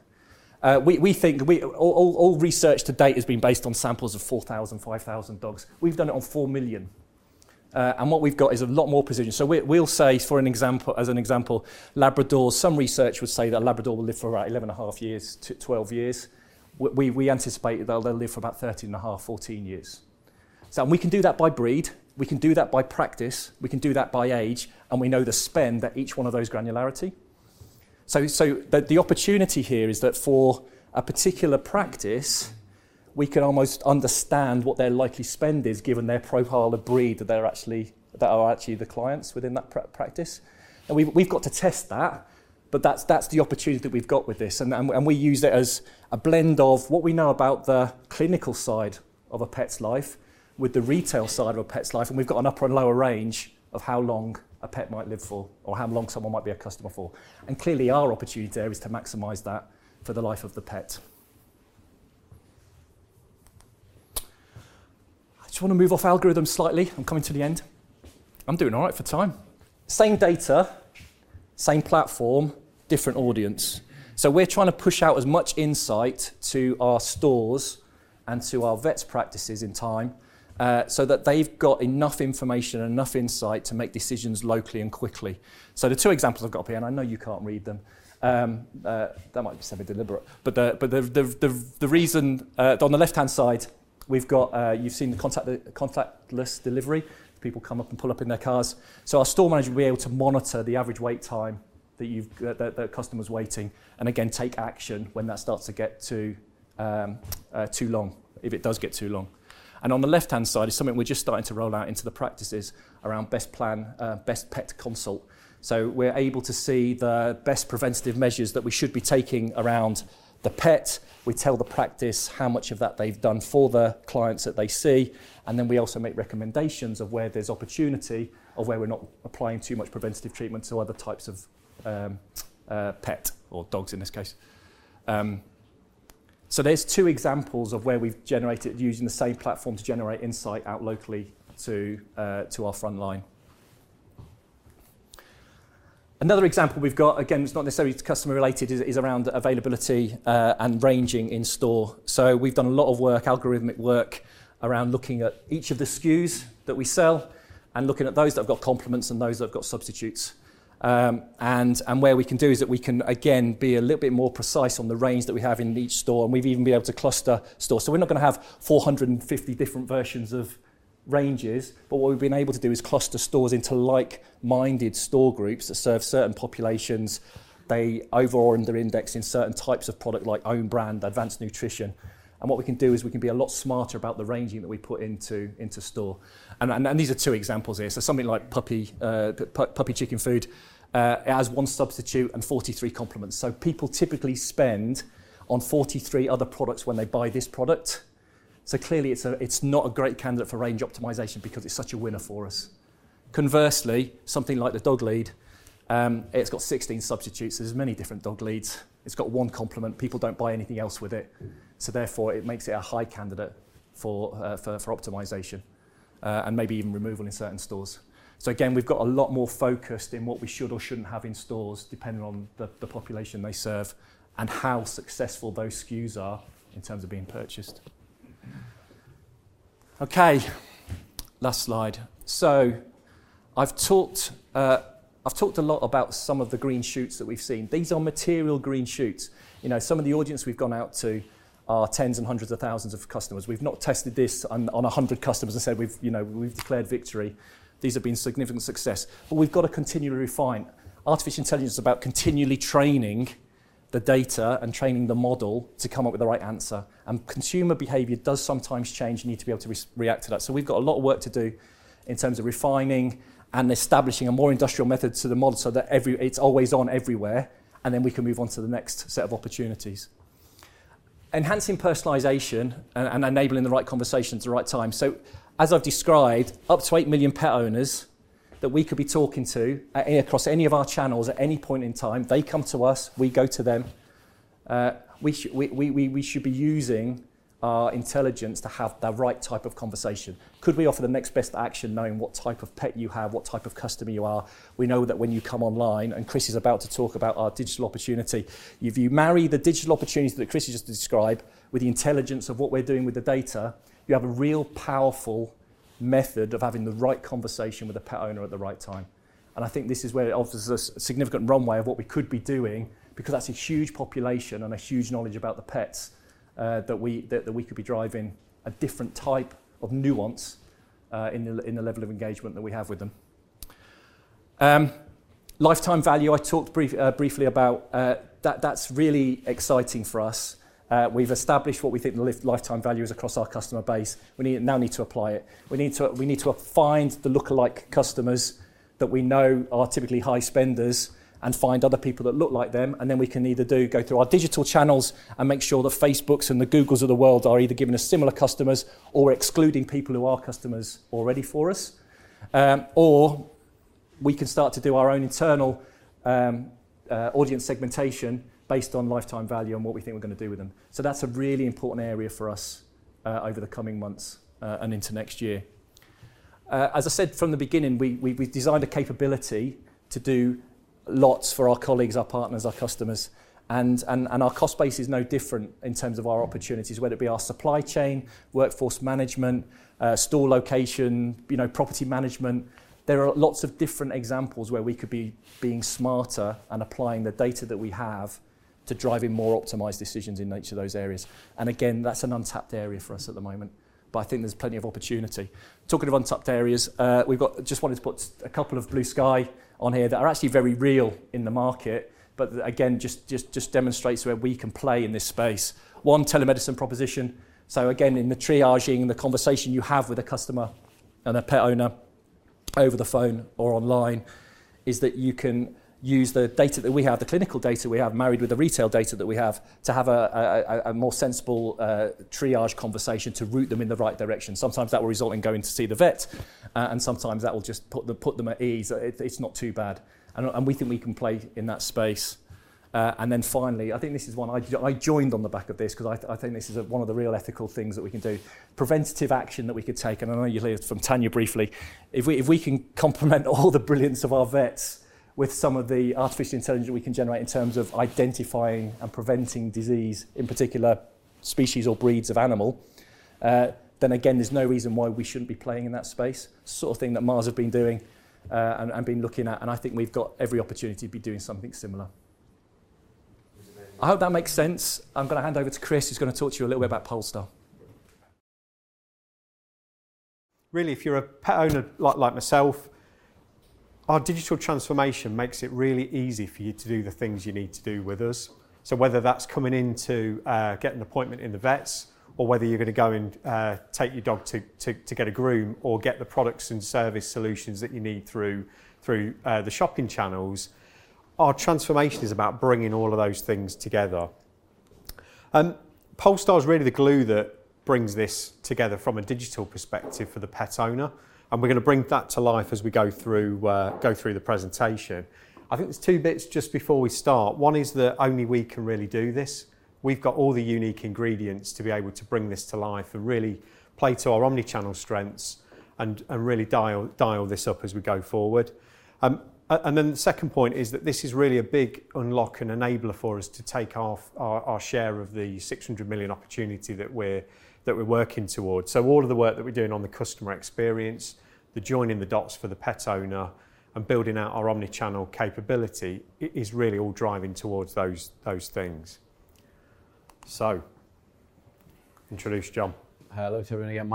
All research to date has been based on samples of 4,000, 5,000 dogs. We've done it on 4 million. What we've got is a lot more precision. We'll say as an example, labrador, some research would say that a labrador will live for 11.5 years to 12 years. We anticipate they'll live for about 13.5, 14 years. And we can do that by breed, we can do that by practice, we can do that by age, and we know the spend at each one of those granularity. The opportunity here is that for a particular practice, we can almost understand what their likely spend is, given their profile of breed that are actually the clients within that practice. And we've got to test that, but that's the opportunity that we've got with this. We use it as a blend of what we know about the clinical side of a pet's life with the retail side of a pet's life, and we've got an upper and lower range of how long a pet might live for or how long someone might be a customer for. Clearly our opportunity there is to maximize that for the life of the pet. I just want to move off algorithms slightly. I'm coming to the end. I'm doing all right for time. Same data, same platform, different audience. We're trying to push out as much insight to our stores and to our vets' practices in time, so that they've got enough information and enough insight to make decisions locally and quickly. The two examples I've got up here, and I know you can't read them, that might just be deliberate. The reason, on the left-hand side, you've seen the contactless delivery. People come up and pull up in their cars. Our store manager will be able to monitor the average wait time that the customer's waiting, and again, take action when that starts to get too long, if it does get too long. On the left-hand side is something we're just starting to roll out into the practices around best pet consult. We're able to see the best preventative measures that we should be taking around the pet. We tell the practice how much of that they've done for the clients that they see, and then we also make recommendations of where there's opportunity of where we're not applying too much preventative treatment to other types of pet or dogs in this case. There's two examples of where we've generated using the same platform to generate insight out locally to our frontline. Another example we've got, again, it's not necessarily customer-related, is around availability and ranging in store. We've done a lot of work, algorithmic work, around looking at each of the SKUs that we sell and looking at those that have got compliments and those that have got substitutes. Where we can do is that we can, again, be a little bit more precise on the range that we have in each store, and we've even been able to cluster stores. We're not going to have 450 different versions of ranges, but what we've been able to do is cluster stores into like-minded store groups that serve certain populations. They over-index in certain types of product, like own brand, advanced nutrition. What we can do is we can be a lot smarter about the ranging that we put into store. These are two examples here. Something like puppy chicken food, it has one substitute and 43 complements. People typically spend on 43 other products when they buy this product. Clearly, it's not a great candidate for range optimization because it's such a winner for us. Conversely, something like the dog lead, it's got 16 substitutes. There's many different dog leads. It's got one complement. People don't buy anything else with it, so therefore it makes it a high candidate for optimization, and maybe even removal in certain stores. Again, we've got a lot more focus in what we should or shouldn't have in stores, depending on the population they serve and how successful those SKUs are in terms of being purchased. Okay, last slide. I've talked a lot about some of the green shoots that we've seen. These are material green shoots. Some of the audience we've gone out to are tens and hundreds of thousands of customers. We've not tested this on 100 customers and said we've declared victory. These have been significant success. We've got to continually refine. Artificial intelligence is about continually training the data and training the model to come up with the right answer. Consumer behavior does sometimes change. You need to be able to react to that. We've got a lot of work to do in terms of refining and establishing a more industrial method to the model so that it's always on everywhere, and then we can move on to the next set of opportunities. Enhancing personalization and enabling the right conversation at the right time. As I've described, up to 8 million pet owners that we could be talking to across any of our channels at any point in time, they come to us, we go to them. We should be using our intelligence to have the right type of conversation. Could we offer the next best action knowing what type of pet you have, what type of customer you are? We know that when you come online, and Chris is about to talk about our digital opportunity, if you marry the digital opportunities that Chris has just described with the intelligence of what we're doing with the data, you have a real powerful method of having the right conversation with a pet owner at the right time. I think this is where it offers us a significant runway of what we could be doing, because that's a huge population and a huge knowledge about the pets, that we could be driving a different type of nuance, in the level of engagement that we have with them. Lifetime value, I talked briefly about. That's really exciting for us. We've established what we think the lifetime value is across our customer base. We now need to apply it. We need to find the lookalike customers that we know are typically high spenders and find other people that look like them, then we can either go through our digital channels and make sure the Facebooks and the Googles of the world are either giving us similar customers or excluding people who are customers already for us. We can start to do our own internal audience segmentation based on lifetime value and what we think we're going to do with them. That's a really important area for us over the coming months and into next year. As I said from the beginning, we've designed a capability to do lots for our colleagues, our partners, our customers. Our cost base is no different in terms of our opportunities, whether it be our supply chain, workforce management, store location, property management. There are lots of different examples where we could be being smarter and applying the data that we have to drive in more optimized decisions in each of those areas. Again, that's an untapped area for us at the moment, but I think there's plenty of opportunity. Talking of untapped areas, we just wanted to put a couple of blue sky on here that are actually very real in the market, again, just demonstrates where we can play in this space. One telemedicine proposition. Again, in the triaging and the conversation you have with a customer and a pet owner over the phone or online, is that you can use the data that we have, the clinical data we have, married with the retail data that we have, to have a more sensible triage conversation to route them in the right direction. Sometimes that will result in going to see the vet, sometimes that will just put them at ease, that it's not too bad. We think we can play in that space. Finally, I think this is one I joined on the back of this because I think this is one of the real ethical things that we can do, preventative action that we could take. I know you'll hear from Tania briefly, if we can complement all the brilliance of our vets with some of the artificial intelligence we can generate in terms of identifying and preventing disease, in particular, species or breeds of animal, then again, there's no reason why we shouldn't be playing in that space, sort of thing that Mars have been doing and been looking at, and I think we've got every opportunity to be doing something similar. I hope that makes sense. I'm going to hand over to Chris, who's going to talk to you a little bit about Polestar. Really, if you're a pet owner like myself, our digital transformation makes it really easy for you to do the things you need to do with us. Whether that's coming in to get an appointment in the vets, or whether you're going to go and take your dog to get a groom, or get the products and service solutions that you need through the shopping channels, our transformation is about bringing all of those things together. Polestar is really the glue that brings this together from a digital perspective for the pet owner, and we're going to bring that to life as we go through the presentation. I think there's two bits just before we start. One is that only we can really do this. We've got all the unique ingredients to be able to bring this to life and really play to our omni-channel strengths and really dial this up as we go forward. The second point is that this is really a big unlock and enabler for us to take our share of the 600 million opportunity that we're working towards. All of the work that we're doing on the customer experience, the joining the dots for the pet owner, and building out our omni-channel capability, is really all driving towards those things. Introduce Jon. Hello to everybody again.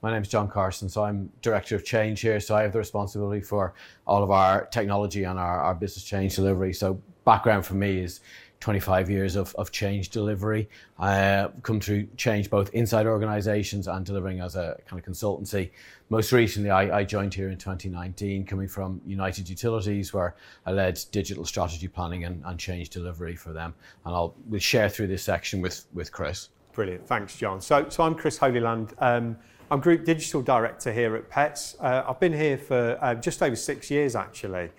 My name's Jon Carson. I'm Director of Change here, so I have the responsibility for all of our technology and our business change delivery. Background for me is 25 years of change delivery. I come to change both inside organizations and delivering as a kind of consultancy. Most recently, I joined here in 2019, coming from United Utilities, where I led digital strategy planning and change delivery for them. I'll share through this section with Chris. Brilliant. Thanks, Jon. I'm Chris Holyland. I'm Group Digital Director here at Pets at Home. I've been here for just over six years actually.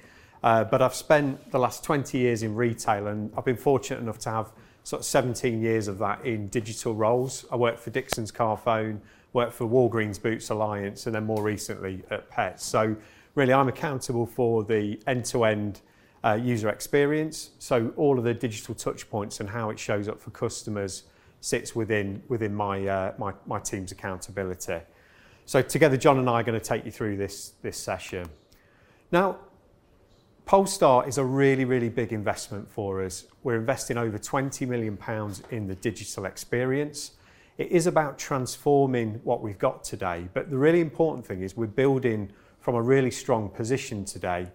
I've spent the last 20 years in retail, and I've been fortunate enough to have sort of 17 years of that in digital roles. I worked for Dixons Carphone, worked for Walgreens Boots Alliance, more recently at Pets at Home. Really, I'm accountable for the end-to-end user experience. All of the digital touchpoints and how it shows up for customers sits within my team's accountability. Together, Jon and I are going to take you through this session. Polestar is a really big investment for us. We're investing over 20 million pounds in the digital experience. It is about transforming what we've got today, the really important thing is we're building from a really strong position today.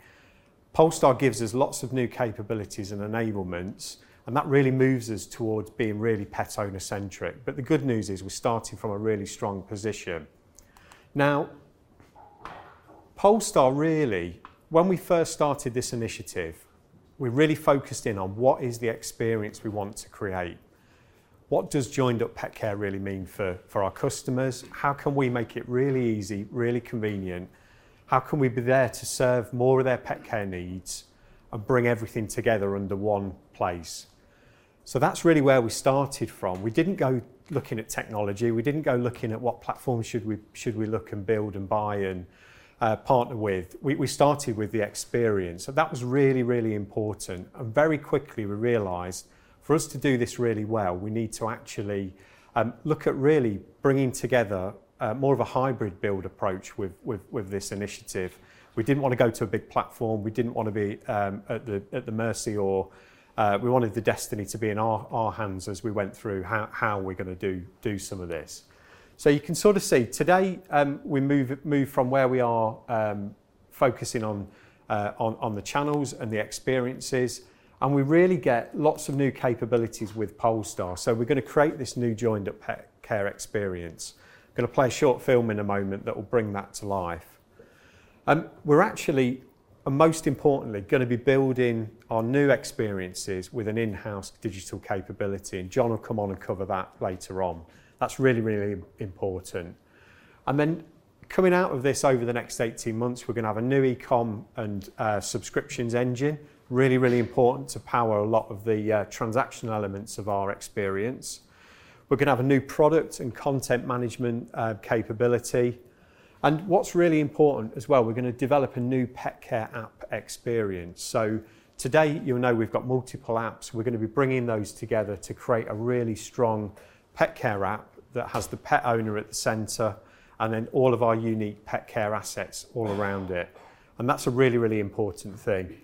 Polestar gives us lots of new capabilities and enablements. That really moves us towards being really pet owner-centric. The good news is we're starting from a really strong position. Polestar, when we first started this initiative, we really focused in on what is the experience we want to create. What does joined up pet care really mean for our customers? How can we make it really easy, really convenient? How can we be there to serve more of their pet care needs and bring everything together under one place? That's really where we started from. We didn't go looking at technology. We didn't go looking at what platform should we look and build and buy and partner with. We started with the experience. That was really, really important, and very quickly we realized, for us to do this really well, we need to actually look at really bringing together more of a hybrid-build approach with this initiative. We didn't want to go to a big platform. We didn't want to be at the mercy. We wanted the destiny to be in our hands as we went through how we're going to do some of this. You can sort of see today, we move from where we are, focusing on the channels and the experiences, and we really get lots of new capabilities with Polestar. We're going to create this new joined-up pet care experience. We're going to play a short film in a moment that will bring that to life. We're actually, and most importantly, going to be building our new experiences with an in-house digital capability. Jon will come on and cover that later on. That's really, really important. Coming out of this over the next 18 months, we're going to have a new eCom and subscriptions engine. Really, really important to power a lot of the transactional elements of our experience. We're going to have a new product and content management capability. What's really important as well, we're going to develop a new pet care app experience. Today, you'll know we've got multiple apps. We're going to be bringing those together to create a really strong pet care app that has the pet owner at the center. All of our unique pet care assets all around it. That's a really, really important thing.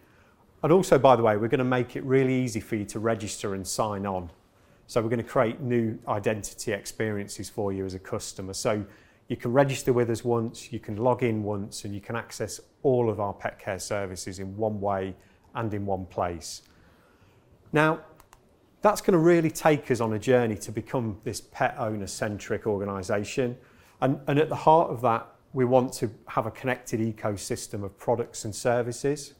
Also, by the way, we're going to make it really easy for you to register and sign on. We're going to create new identity experiences for you as a customer. You can register with us once, you can log in once, and you can access all of our pet care services in one way and in one place. That's going to really take us on a journey to become this pet owner-centric organization, and at the heart of that, we want to have a connected ecosystem of products and services.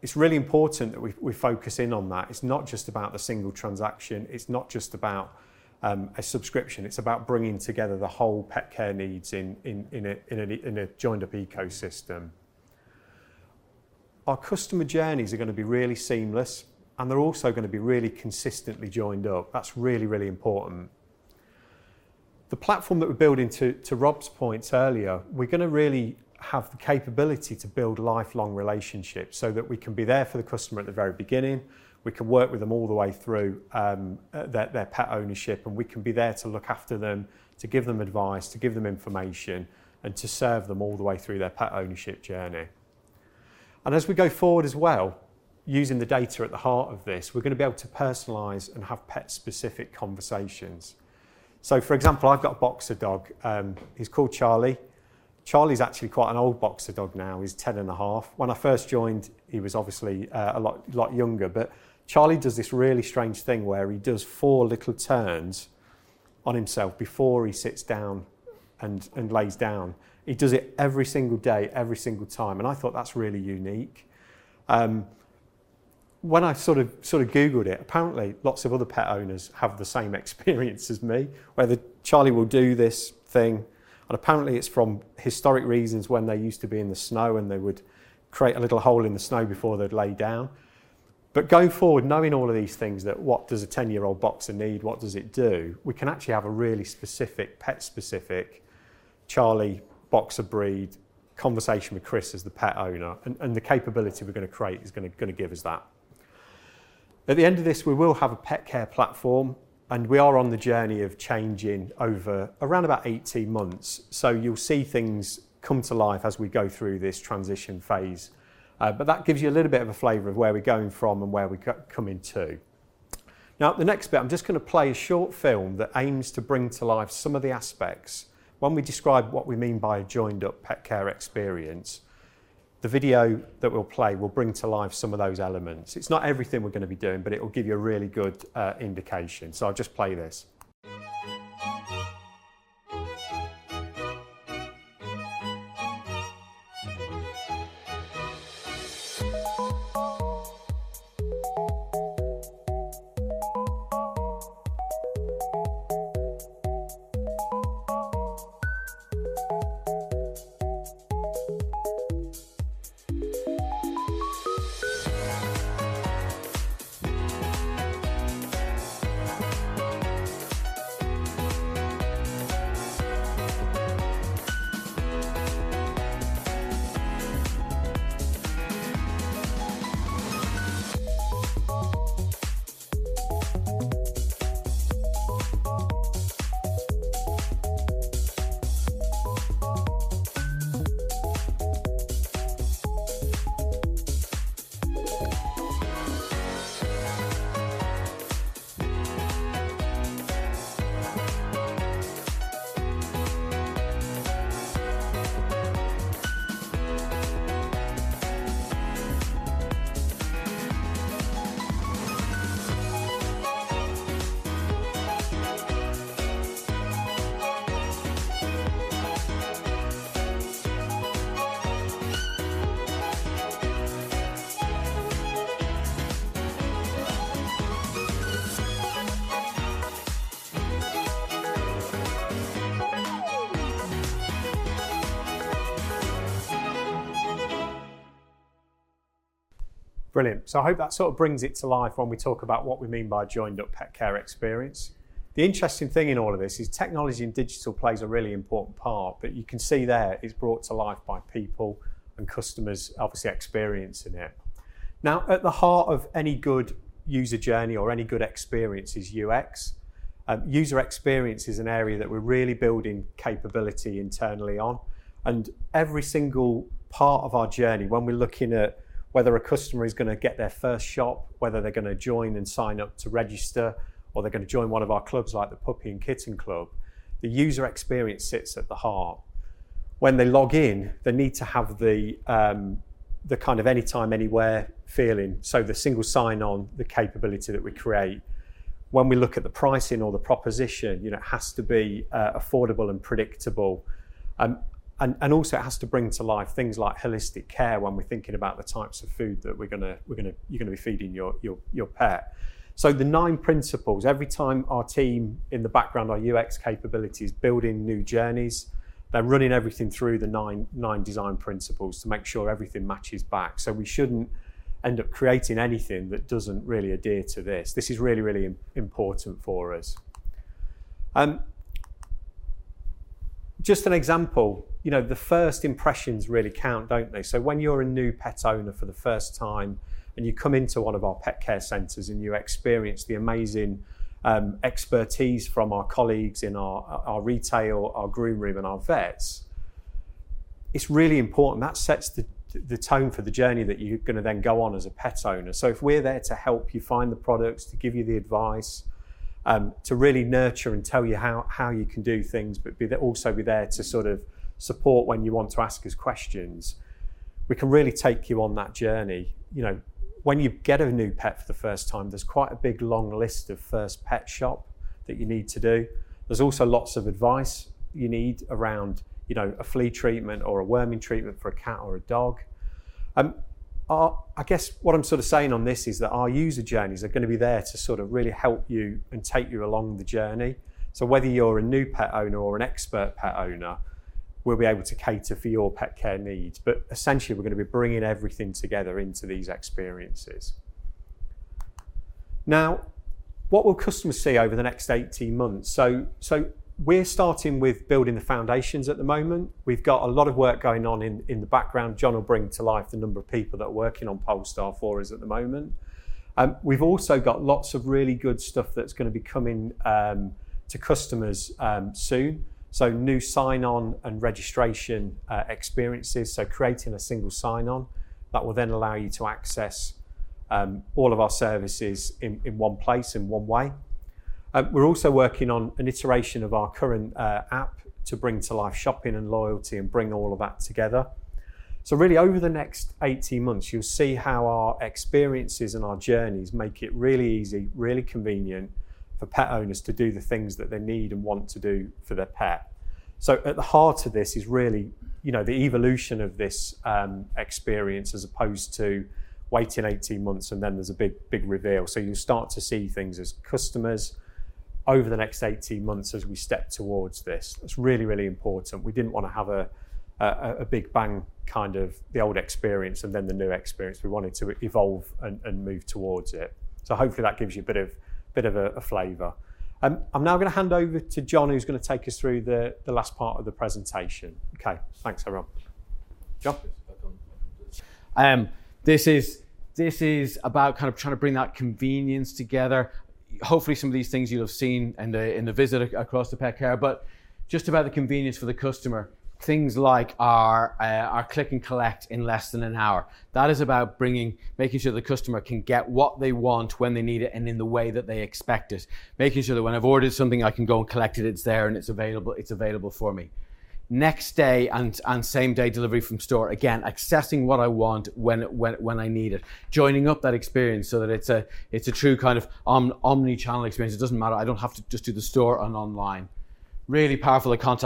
It's really important that we focus in on that. It's not just about the single transaction. It's not just about a subscription. It's about bringing together the whole pet care needs in a joined-up ecosystem. Our customer journeys are going to be really seamless, and they're also going to be really consistently joined up. That's really, really important. The platform that we're building, to Rob's point earlier, we're going to really have the capability to build lifelong relationships so that we can be there for the customer at the very beginning. We can work with them all the way through their pet ownership, and we can be there to look after them, to give them advice, to give them information, and to serve them all the way through their pet ownership journey. As we go forward as well, using the data at the heart of this, we're going to be able to personalize and have pet-specific conversations. For example, I've got a boxer dog. He's called Charlie. Charlie's actually quite an old boxer dog now. He's 10.5. When I first joined, he was obviously a lot younger. Charlie does this really strange thing where he does four little turns on himself before he sits down and lays down. He does it every single day, every single time. I thought, that's really unique. When I sort of Googled it, apparently lots of other pet owners have the same experience as me, where Charlie will do this thing, and apparently it's from historic reasons when they used to be in the snow and they would create a little hole in the snow before they'd lay down. Going forward, knowing all of these things, that what does a 10-year-old boxer need? What does it do? We can actually have a really pet-specific Charlie boxer breed conversation with Chris as the pet owner, and the capability we're going to create is going to give us that. At the end of this, we will have a pet care platform. We are on the journey of changing over around about 18 months. You'll see things come to life as we go through this transition phase. That gives you a little bit of a flavor of where we're going from and where we're coming to. Now, the next bit, I'm just going to play a short film that aims to bring to life some of the aspects. When we describe what we mean by a joined-up pet care experience, the video that we'll play will bring to life some of those elements. It's not everything we're going to be doing. It will give you a really good indication. I'll just play this. Brilliant. I hope that sort of brings it to life when we talk about what we mean by a joined-up pet care experience. The interesting thing in all of this is technology and digital plays a really important part, but you can see there it's brought to life by people and customers obviously experiencing it. At the heart of any good user journey or any good experience is UX. User experience is an area that we're really building capability internally on, and every single part of our journey, when we're looking at whether a customer is going to get their first shop, whether they're going to join and sign up to register, or they're going to join one of our clubs like the Puppy and Kitten Club, the user experience sits at the heart. When they log in, they need to have the kind of anytime, anywhere feeling, so the single sign-on, the capability that we create. When we look at the pricing or the proposition, it has to be affordable and predictable. Also, it has to bring to life things like holistic care when we're thinking about the types of food that you're going to be feeding your pet. The nine principles, every time our team in the background, our UX capability, is building new journeys, they're running everything through the nine design principles to make sure everything matches back. We shouldn't end up creating anything that doesn't really adhere to this. This is really, really important for us. Just an example. The first impressions really count, don't they? When you're a new pet owner for the first time and you come into one of our Pet Care Centers and you experience the amazing expertise from our colleagues in our retail, our Groom Room, and our Vets, it's really important. That sets the tone for the journey that you're going to then go on as a pet owner. If we're there to help you find the products, to give you the advice, to really nurture and tell you how you can do things, but also be there to sort of support when you want to ask us questions, we can really take you on that journey. When you get a new pet for the first time, there's quite a big, long list of first pet shop that you need to do. There's also lots of advice you need around a flea treatment or a worming treatment for a cat or a dog. I guess what I'm sort of saying on this is that our user journeys are going to be there to sort of really help you and take you along the journey. Whether you're a new pet owner or an expert pet owner, we'll be able to cater for your pet care needs. Essentially, we're going to be bringing everything together into these experiences. Now, what will customers see over the next 18 months? We're starting with building the foundations at the moment. We've got a lot of work going on in the background. Jon will bring to life the number of people that are working on Polestar for us at the moment. We've also got lots of really good stuff that's going to be coming to customers soon. New sign-on and registration experiences, creating a single sign-on that will then allow you to access all of our services in one place, in one way. We're also working on an iteration of our current app to bring to life shopping and loyalty and bring all of that together. Really, over the next 18 months, you'll see how our experiences and our journeys make it really easy, really convenient for pet owners to do the things that they need and want to do for their pet. At the heart of this is really the evolution of this experience as opposed to waiting 18 months, and then there's a big reveal. You'll start to see things as customers over the next 18 months as we step towards this. It's really, really important. We didn't want to have a big bang, kind of the old experience and then the new experience. We wanted to evolve and move towards it. Hopefully that gives you a bit of a flavor. I'm now going to hand over to Jon, who's going to take us through the last part of the presentation. Okay, thanks everyone. Jon? This is about trying to bring that convenience together. Hopefully, some of these things you'll have seen in the visit across the pet care, just about the convenience for the customer. Things like our click and collect in less than an hour. That is about making sure the customer can get what they want when they need it and in the way that they expect it. Making sure that when I've ordered something, I can go and collect it's there, and it's available for me. Next day and same day delivery from store. Again, accessing what I want when I need it. Joining up that experience so that it's a true kind of omnichannel experience. It doesn't matter. I don't have to just do the store and online. Really powerful, the click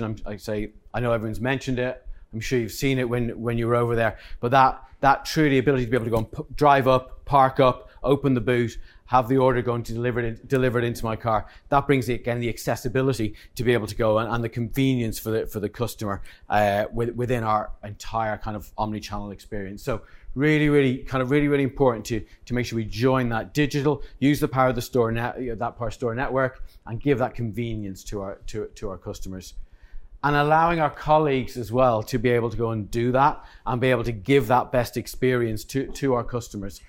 and collect. I know everyone's mentioned it. I'm sure you've seen it when you were over there, but that truly ability to be able to go and drive up, park up, open the boot, have the order delivered into my car. That brings, again, the accessibility to be able to go and the convenience for the customer within our entire omnichannel experience. Really, really important to make sure we join that digital, use that power store network, and give that convenience to our customers. Allowing our colleagues as well to be able to go and do that and be able to give that best experience to our customers.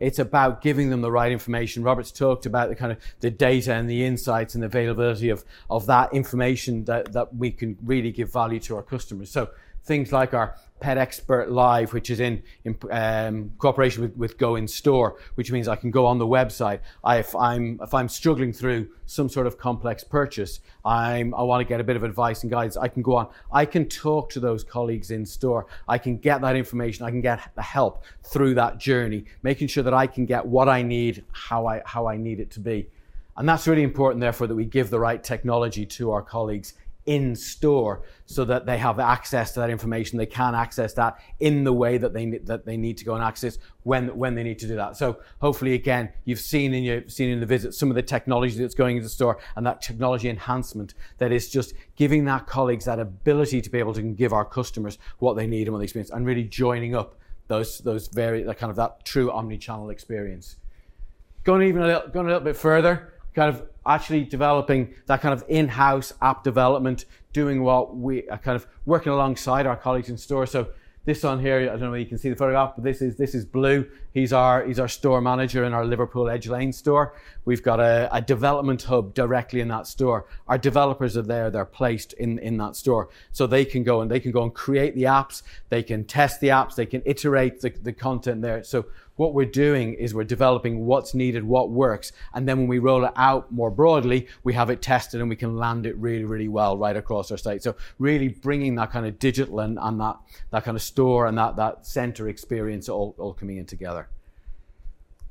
It's about giving them the right information. Robert's talked about the data and the insights and availability of that information that we can really give value to our customers. Things like our Pet Expert Live, which is in cooperation with Go Instore, which means I can go on the website if I'm struggling through some sort of complex purchase, I want to get a bit of advice and guidance, I can go on, I can talk to those colleagues in store. I can get that information. I can get help through that journey, making sure that I can get what I need, how I need it to be. That's really important, therefore, that we give the right technology to our colleagues in store so that they have access to that information, they can access that in the way that they need to go and access when they need to do that. Hopefully, again, you've seen in the visit some of the technology that's going into the store and that technology enhancement that is just giving our colleagues that ability to be able to give our customers what they need and what they experience and really joining up that true omnichannel experience. Going a little bit further, actually developing that kind of in-house app development, working alongside our colleagues in store. This one here, I don't know whether you can see the photograph, but this is Blue. He's our store manager in our Liverpool Edge Lane store. We've got a development hub directly in that store. Our developers are there. They're placed in that store. They can go and create the apps, they can test the apps, they can iterate the content there. What we're doing is we're developing what's needed, what works, and then when we roll it out more broadly, we have it tested, and we can land it really, really well right across our site. Really bringing that kind of digital and that kind of store and that center experience all coming in together.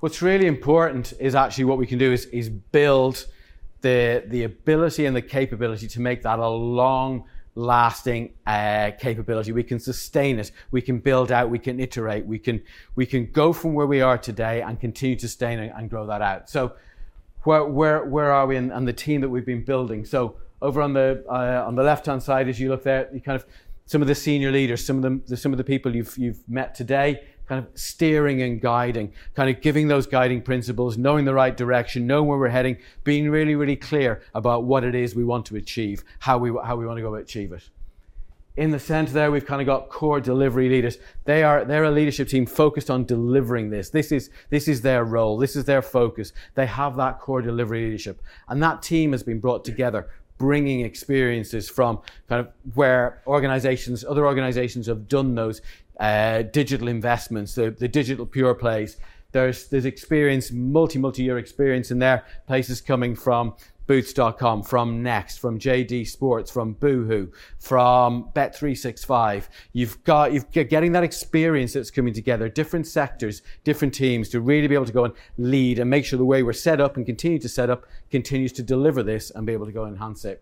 What's really important is actually what we can do is build the ability and the capability to make that a long-lasting capability. We can sustain it. We can build out. We can iterate. We can go from where we are today and continue to sustain it and grow that out. Where are we and the team that we've been building? Over on the left-hand side as you look there, some of the senior leaders, some of the people you've met today, kind of steering and guiding. Kind of giving those guiding principles, knowing the right direction, knowing where we're heading, being really, really clear about what it is we want to achieve, how we want to go achieve it. In the center there, we've kind of got core delivery leaders. They're a leadership team focused on delivering this. This is their role. This is their focus. They have that core delivery leadership, and that team has been brought together, bringing experiences from where other organizations have done those digital investments, the digital pure plays. There's multi-year experience in there, places coming from boots.com, from Next, from JD Sports, from Boohoo, from bet365. You're getting that experience that's coming together, different sectors, different teams to really be able to go and lead and make sure the way we're set up and continue to set up continues to deliver this and be able to go enhance it.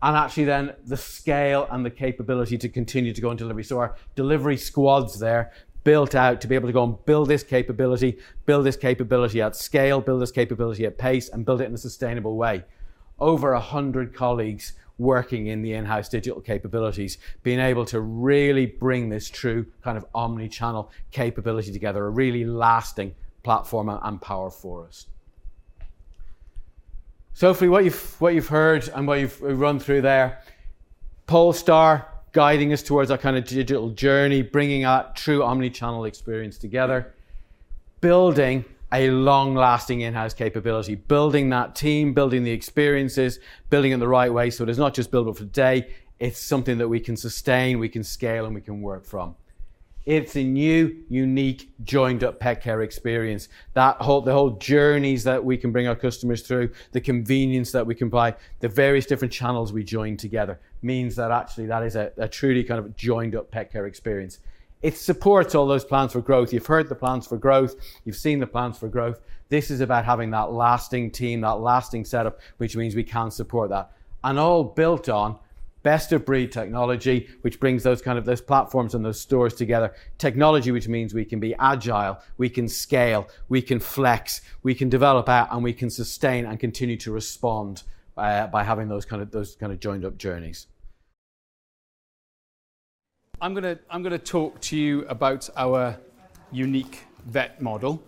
The scale and the capability to continue to go on delivery. Our delivery squads there built out to be able to go and build this capability, build this capability at scale, build this capability at pace, and build it in a sustainable way. Over 100 colleagues working in the in-house digital capabilities, being able to really bring this true kind of omnichannel capability together, a really lasting platform and power for us. Hopefully what you've heard and what we've run through there, Polestar guiding us towards our kind of digital journey, bringing our true omnichannel experience together, building a long-lasting in-house capability, building that team, building the experiences, building in the right way so it is not just build it for today. It's something that we can sustain, we can scale, and we can work from. It's a new, unique, joined-up pet care experience. The whole journeys that we can bring our customers through, the convenience that we can buy, the various different channels we join together means that actually that is a truly kind of joined-up pet care experience. It supports all those plans for growth. You've heard the plans for growth. You've seen the plans for growth. This is about having that lasting team, that lasting setup, which means we can support that. All built on best-of-breed technology, which brings those platforms and those stores together. Technology which means we can be agile, we can scale, we can flex, we can develop out, and we can sustain and continue to respond by having those kind of joined-up journeys. I'm going to talk to you about our unique vet model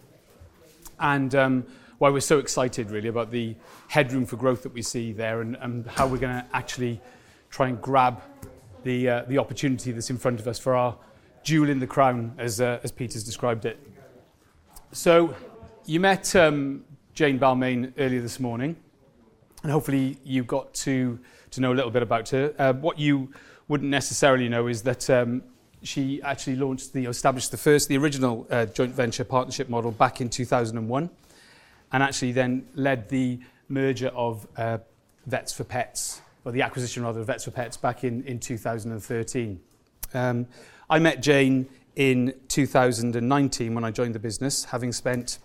Why we're so excited really about the headroom for growth that we see there, and how we're going to actually try and grab the opportunity that's in front of us for our jewel in the crown, as Peter's described it. You met Jane Balmain earlier this morning, and hopefully you got to know a little bit about her. What you wouldn't necessarily know is that she actually established the first, the original joint venture partnership model back in 2001, and actually then led the merger of Vets4Pets, or the acquisition rather, of Vets4Pets back in 2013. I met Jane in 2019 when I joined the business, having spent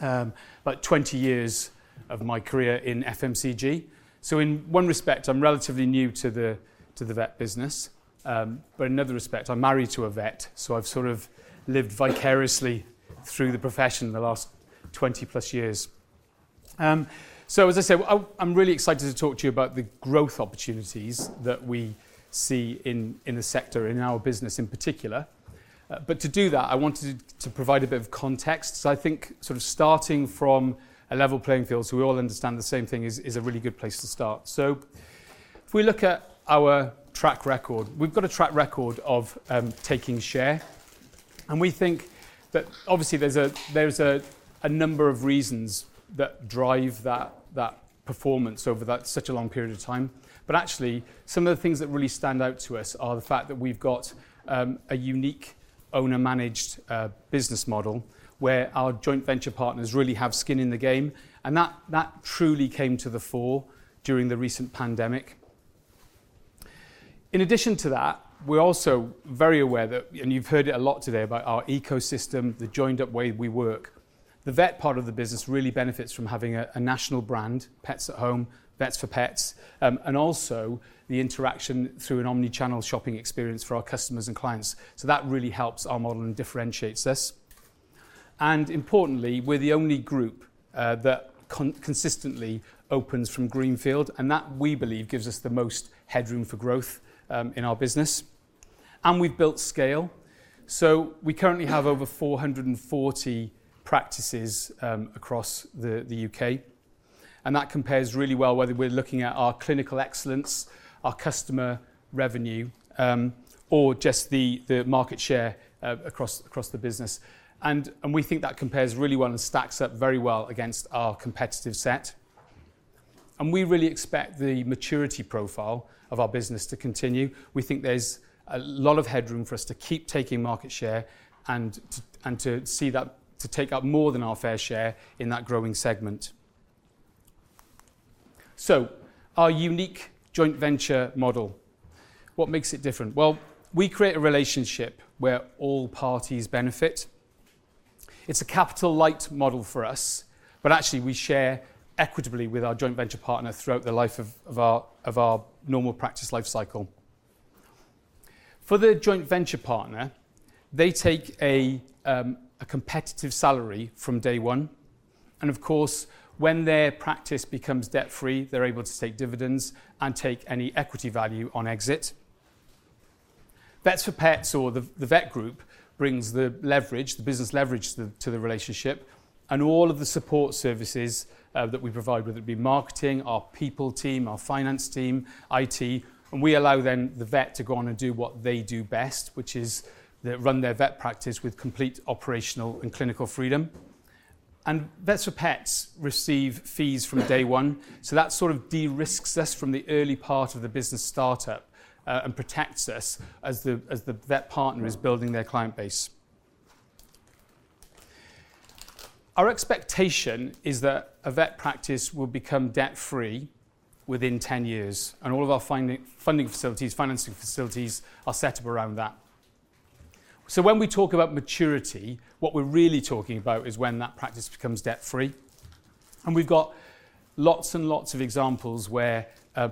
about 20 years of my career in FMCG. In one respect, I'm relatively new to the vet business. In another respect, I'm married to a vet, so I've sort of lived vicariously through the profession in the last 20+ years. As I say, I'm really excited to talk to you about the growth opportunities that we see in the sector, in our business in particular. To do that, I wanted to provide a bit of context. I think sort of starting from a level playing field so we all understand the same thing is a really good place to start. If we look at our track record, we've got a track record of taking share, and we think that obviously there's a number of reasons that drive that performance over such a long period of time. Actually, some of the things that really stand out to us are the fact that we've got a unique owner-managed business model, where our joint venture partners really have skin in the game, and that truly came to the fore during the recent pandemic. In addition to that, we're also very aware that, and you've heard it a lot today, about our ecosystem, the joined-up way we work. The vet part of the business really benefits from having a national brand, Pets at Home, Vets4Pets, and also the interaction through an omni-channel shopping experience for our customers and clients. That really helps our model and differentiates us. Importantly, we're the only group that consistently opens from greenfield, and that, we believe, gives us the most headroom for growth in our business. We've built scale. We currently have over 440 practices across the U.K., and that compares really well whether we're looking at our clinical excellence, our customer revenue, or just the market share across the business. We think that compares really well and stacks up very well against our competitive set. We really expect the maturity profile of our business to continue. We think there's a lot of headroom for us to keep taking market share and to see that take up more than our fair share in that growing segment. Our unique joint venture model, what makes it different? Well, we create a relationship where all parties benefit. It's a capital-light model for us, but actually we share equitably with our joint venture partner throughout the life of our normal practice life cycle. For the joint venture partner, they take a competitive salary from day one, and of course, when their practice becomes debt-free, they're able to take dividends and take any equity value on exit. Vets4Pets or the Vet Group brings the leverage, the business leverage to the relationship and all of the support services that we provide, whether it be marketing, our people team, our finance team, IT, and we allow then the vet to go on and do what they do best, which is run their vet practice with complete operational and clinical freedom. Vets4Pets receive fees from day 1, so that sort of de-risks us from the early part of the business startup and protects us as the vet partner is building their client base. Our expectation is that a vet practice will become debt-free within 10 years. All of our financing facilities are set up around that. When we talk about maturity, what we're really talking about is when that practice becomes debt-free. We've got lots and lots of examples where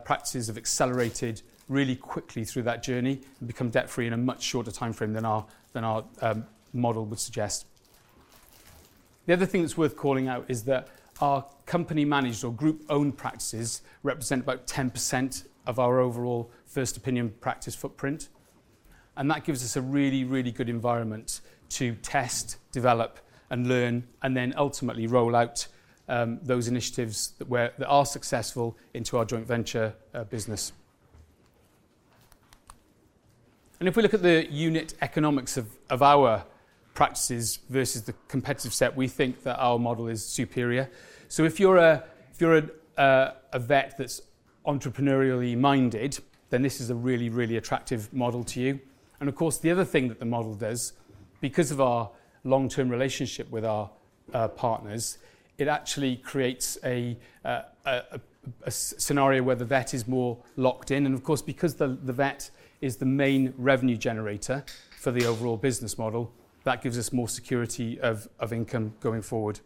practices have accelerated really quickly through that journey and become debt-free in a much shorter timeframe than our model would suggest. The other thing that's worth calling out is that our company-managed or group-owned practices represent about 10% of our overall first opinion practice footprint. That gives us a really, really good environment to test, develop and learn, and then ultimately roll out those initiatives that are successful into our joint venture business. If we look at the unit economics of our practices versus the competitive set, we think that our model is superior. If you're a vet that's entrepreneurially minded, then this is a really, really attractive model to you. Of course, the other thing that the model does, because of our long-term relationship with our partners, it actually creates a scenario where the vet is more locked in. Of course, because the vet is the main revenue generator for the overall business model, that gives us more security of income going forward.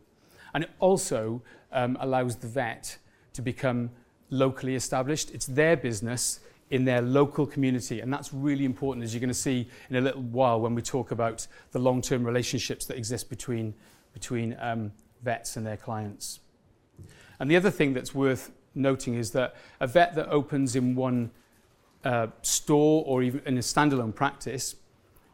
It also allows the vet to become locally established. It's their business in their local community, and that's really important as you're going to see in a little while when we talk about the long-term relationships that exist between vets and their clients. The other thing that's worth noting is that a vet that opens in one store or even in a standalone practice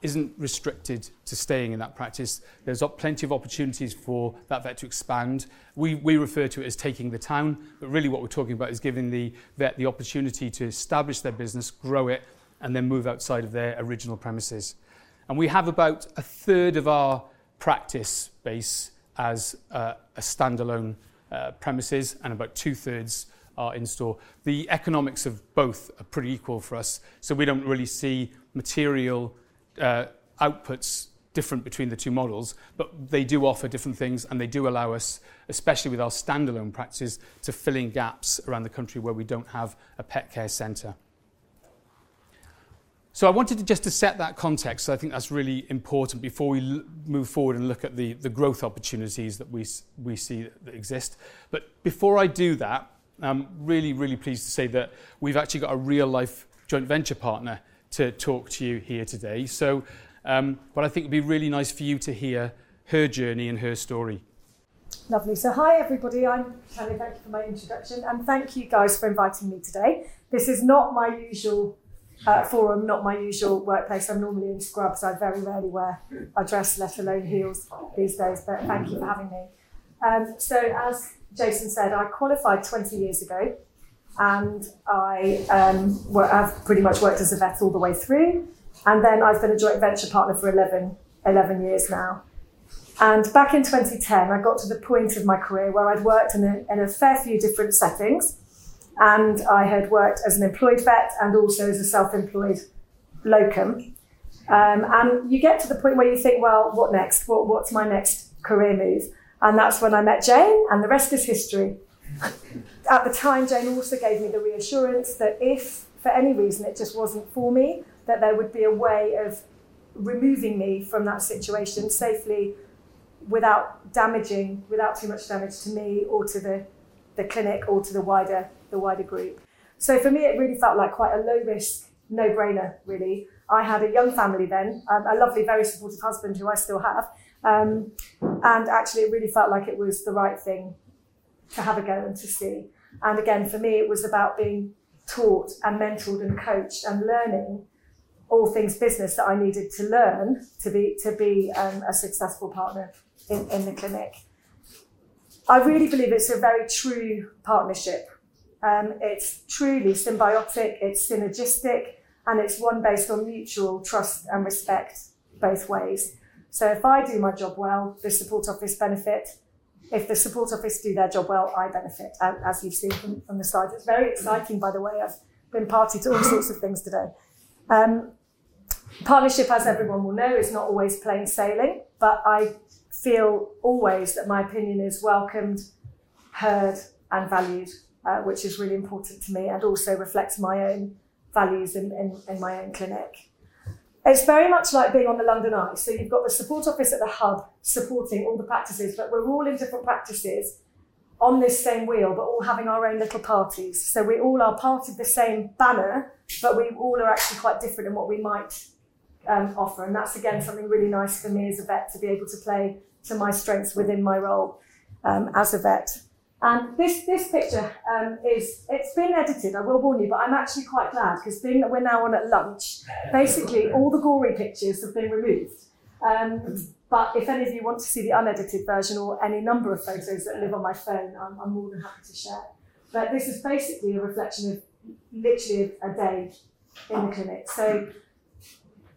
isn't restricted to staying in that practice. There's plenty of opportunities for that vet to expand. We refer to it as taking the town, but really what we're talking about is giving the vet the opportunity to establish their business, grow it, and then move outside of their original premises. We have about a 1/3 of our practice base as a standalone premises, and about 2/3 are in-store. The economics of both are pretty equal for us, so we don't really see material outputs different between the two models. They do offer different things, and they do allow us, especially with our standalone practices, to fill in gaps around the country where we don't have a Pet Care Center. I wanted just to set that context, because I think that's really important before we move forward and look at the growth opportunities that we see that exist. Before I do that, I'm really, really pleased to say that we've actually got a real-life joint venture partner to talk to you here today. I think it'd be really nice for you to hear her journey and her story. Lovely. Hi, everybody. Thank you for my introduction, thank you guys for inviting me today. This is not my usual forum, not my usual workplace. I'm normally in scrubs, I very rarely wear a dress, let alone heels these days. Thank you for having me. As Jason said, I qualified 20 years ago, I've pretty much worked as a vet all the way through. I've been a joint venture partner for 11 years now. Back in 2010, I got to the point of my career where I'd worked in a fair few different settings, I had worked as an employed vet and also as a self-employed locum. You get to the point where you think, "Well, what next? What's my next career move?" That's when I met Jane, the rest is history. At the time, Jane also gave me the reassurance that if, for any reason, it just wasn't for me, that there would be a way of removing me from that situation safely, without too much damage to me or to the clinic or to the wider group. For me, it really felt like quite a low-risk, no-brainer, really. I had a young family then, a lovely, very supportive husband, who I still have. Actually, it really felt like it was the right thing to have a go and to see. Again, for me, it was about being taught and mentored and coached and learning all things business that I needed to learn to be a successful partner in the clinic. I really believe it's a very true partnership. It's truly symbiotic, it's synergistic, and it's one based on mutual trust and respect both ways. If I do my job well, the support office benefits. If the support office do their job well, I benefit, as you've seen from the slide. It's very exciting, by the way. I've been party to all sorts of things today. Partnership, as everyone will know, is not always plain sailing, but I feel always that my opinion is welcomed, heard, and valued, which is really important to me and also reflects my own values in my own clinic. It's very much like being on the London Eye. You've got the support office at the hub supporting all the practices, but we're all in different practices on this same wheel, but all having our own little parties. We all are part of the same banner, we all are actually quite different in what we might offer, that's, again, something really nice for me as a vet to be able to play to my strengths within my role, as a vet. This picture, it's been edited, I will warn you, I'm actually quite glad because being that we're now on at basically, all the gory pictures have been removed. If any of you want to see the unedited version or any number of photos that live on my phone, I'm more than happy to share. This is basically a reflection of literally a day in the clinic.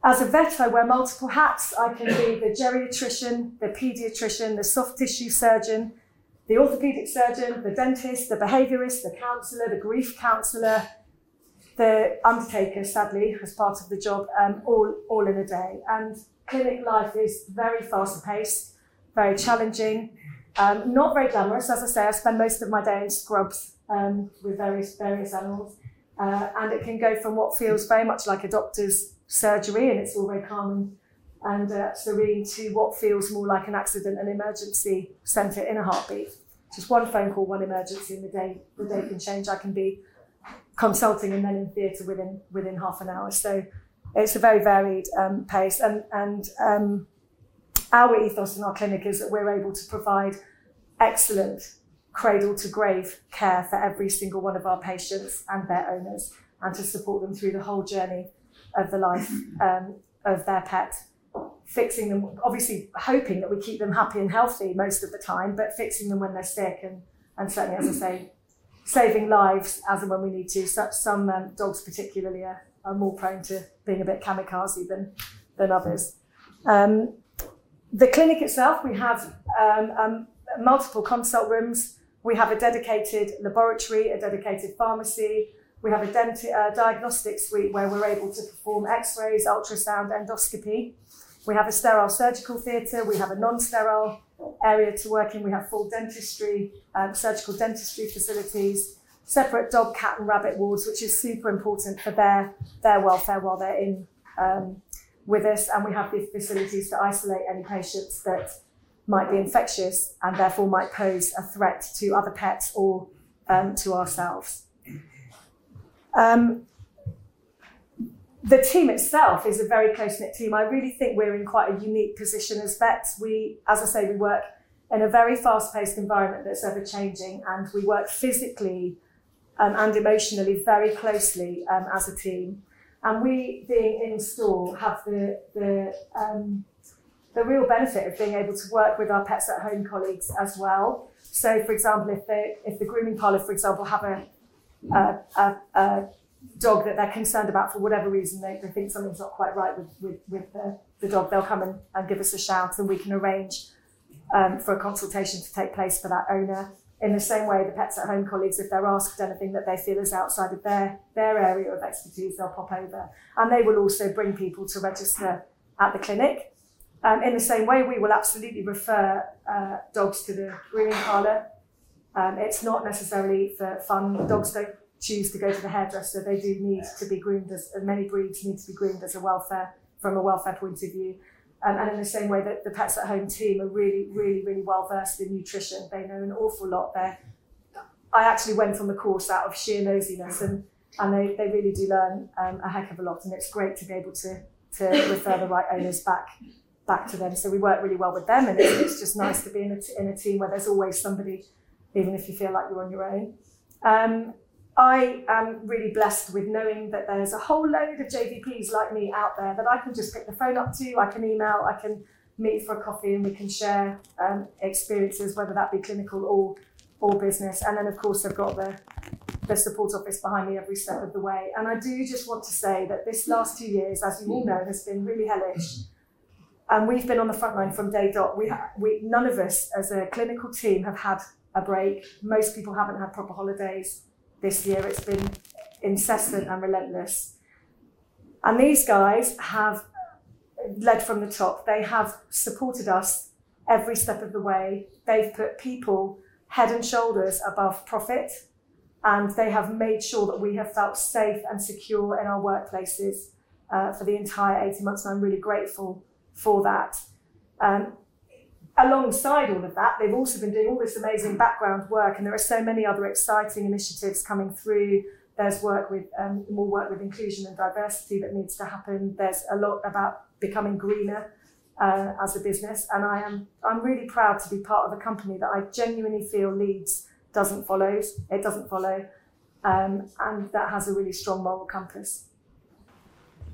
As a vet, I wear multiple hats. I can be the geriatrician, the pediatrician, the soft tissue surgeon, the orthopedic surgeon, the dentist, the behaviorist, the counselor, the grief counselor, the undertaker, sadly, as part of the job, all in a day. Clinic life is very fast-paced, very challenging. Not very glamorous. As I say, I spend most of my day in scrubs, with various animals. It can go from what feels very much like a doctor's surgery, and it's all very calm and serene, to what feels more like an accident and emergency center in a heartbeat. Just one phone call, one emergency, and the day can change. I can be consulting and then in theater within half an hour. It's a very varied pace, and our ethos in our clinic is that we're able to provide excellent cradle-to-grave care for every single one of our patients and their owners, and to support them through the whole journey of the life of their pet. Fixing them, obviously hoping that we keep them happy and healthy most of the time, but fixing them when they're sick and certainly, as I say, saving lives as and when we need to. Some dogs particularly are more prone to being a bit kamikaze than others. The clinic itself, we have multiple consult rooms. We have a dedicated laboratory, a dedicated pharmacy. We have a diagnostics suite where we're able to perform X-rays, ultrasound, endoscopy. We have a sterile surgical theater. We have a non-sterile area to work in. We have full dentistry, surgical dentistry facilities, separate dog, cat, and rabbit wards, which is super important for their welfare while they're in with us. We have the facilities to isolate any patients that might be infectious and therefore might pose a threat to other pets or to ourselves. The team itself is a very close-knit team. I really think we're in quite a unique position as vets. As I say, we work in a very fast-paced environment that's ever-changing, and we work physically and emotionally very closely as a team. We, being in store, have the real benefit of being able to work with our Pets at Home colleagues as well. For example, if the grooming parlor, for example, have a dog that they're concerned about, for whatever reason they think something's not quite right with the dog, they'll come and give us a shout, and we can arrange for a consultation to take place for that owner. In the same way, the Pets at Home colleagues, if they're asked anything that they feel is outside of their area of expertise, they'll pop over, and they will also bring people to register at the clinic. In the same way, we will absolutely refer dogs to the grooming parlor. It's not necessarily for fun. Dogs don't choose to go to the hairdresser. They do need to be groomed. Many breeds need to be groomed from a welfare point of view. In the same way, the Pets at Home team are really well-versed in nutrition. They know an awful lot there. I actually went on the course out of sheer nosiness, and they really do learn a heck of a lot, and it's great to be able to refer the right owners back to them. We work really well with them, and it's just nice to be in a team where there's always somebody, even if you feel like you're on your own. I am really blessed with knowing that there's a whole load of JVPs like me out there that I can just pick the phone up to, I can email, I can meet for a coffee, and we can share experiences, whether that be clinical or business. Then, of course, I've got the support office behind me every step of the way. I do just want to say that this last two years, as you all know, has been really hellish, and we've been on the frontline from day dot. None of us, as a clinical team, have had a break. Most people haven't had proper holidays this year. It's been incessant and relentless. These guys have led from the top. They have supported us every step of the way. They've put people head and shoulders above profit, and they have made sure that we have felt safe and secure in our workplaces for the entire 18 months, and I'm really grateful for that. Alongside all of that, they've also been doing all this amazing background work, and there are so many other exciting initiatives coming through. There's more work with inclusion and diversity that needs to happen. There's a lot about becoming greener as a business, and I'm really proud to be part of a company that I genuinely feel leads, it doesn't follow, and that has a really strong moral compass.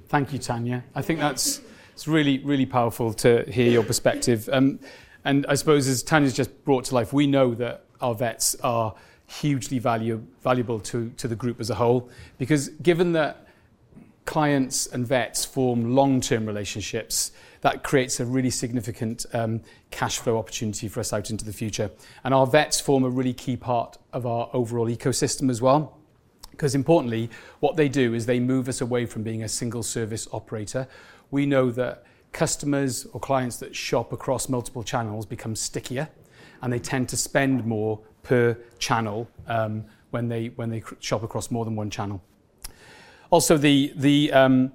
Thank you, Tania. I think that's really powerful to hear your perspective. I suppose as Tania's just brought to life, we know that our vets are hugely valuable to the group as a whole. Given that clients and vets form long-term relationships, that creates a really significant cash flow opportunity for us out into the future. Our vets form a really key part of our overall ecosystem as well, because importantly, what they do is they move us away from being a single-service operator. We know that customers or clients that shop across multiple channels become stickier, and they tend to spend more per channel, when they shop across more than one channel. Also, the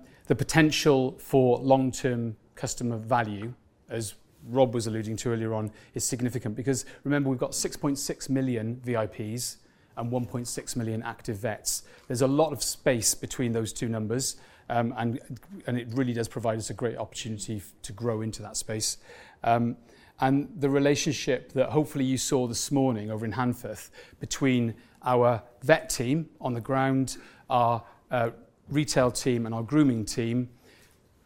potential for long-term customer value, as Rob was alluding to earlier on, is significant because remember, we've got 6.6 million VIPs and 1.6 million active vets. There's a lot of space between those two numbers. It really does provide us a great opportunity to grow into that space. The relationship that hopefully you saw this morning over in Handforth between our vet team on the ground, our retail team, and our grooming team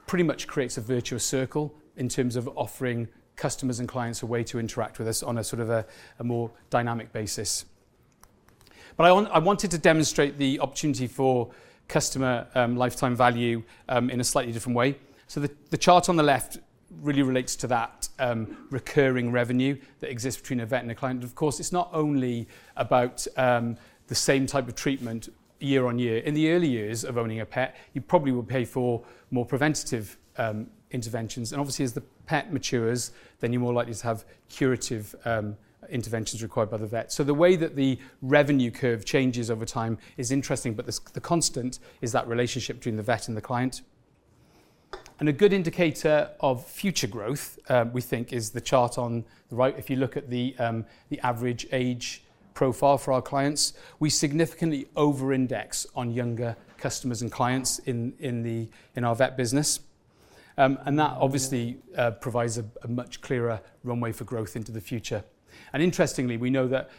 pretty much creates a virtuous circle in terms of offering customers and clients a way to interact with us on a more dynamic basis. I wanted to demonstrate the opportunity for customer lifetime value in a slightly different way. The chart on the left really relates to that recurring revenue that exists between a vet and a client. Of course, it's not only about the same type of treatment year-on-year. In the early years of owning a pet, you probably will pay for more preventative interventions. Obviously, as the pet matures, you're more likely to have curative interventions required by the vet. The way that the revenue curve changes over time is interesting. The constant is that relationship between the vet and the client. A good indicator of future growth, we think, is the chart on the right. If you look at the average age profile for our clients, we significantly over-index on younger customers and clients in our Vet Group business. That obviously provides a much clearer runway for growth into the future. Interestingly, we know that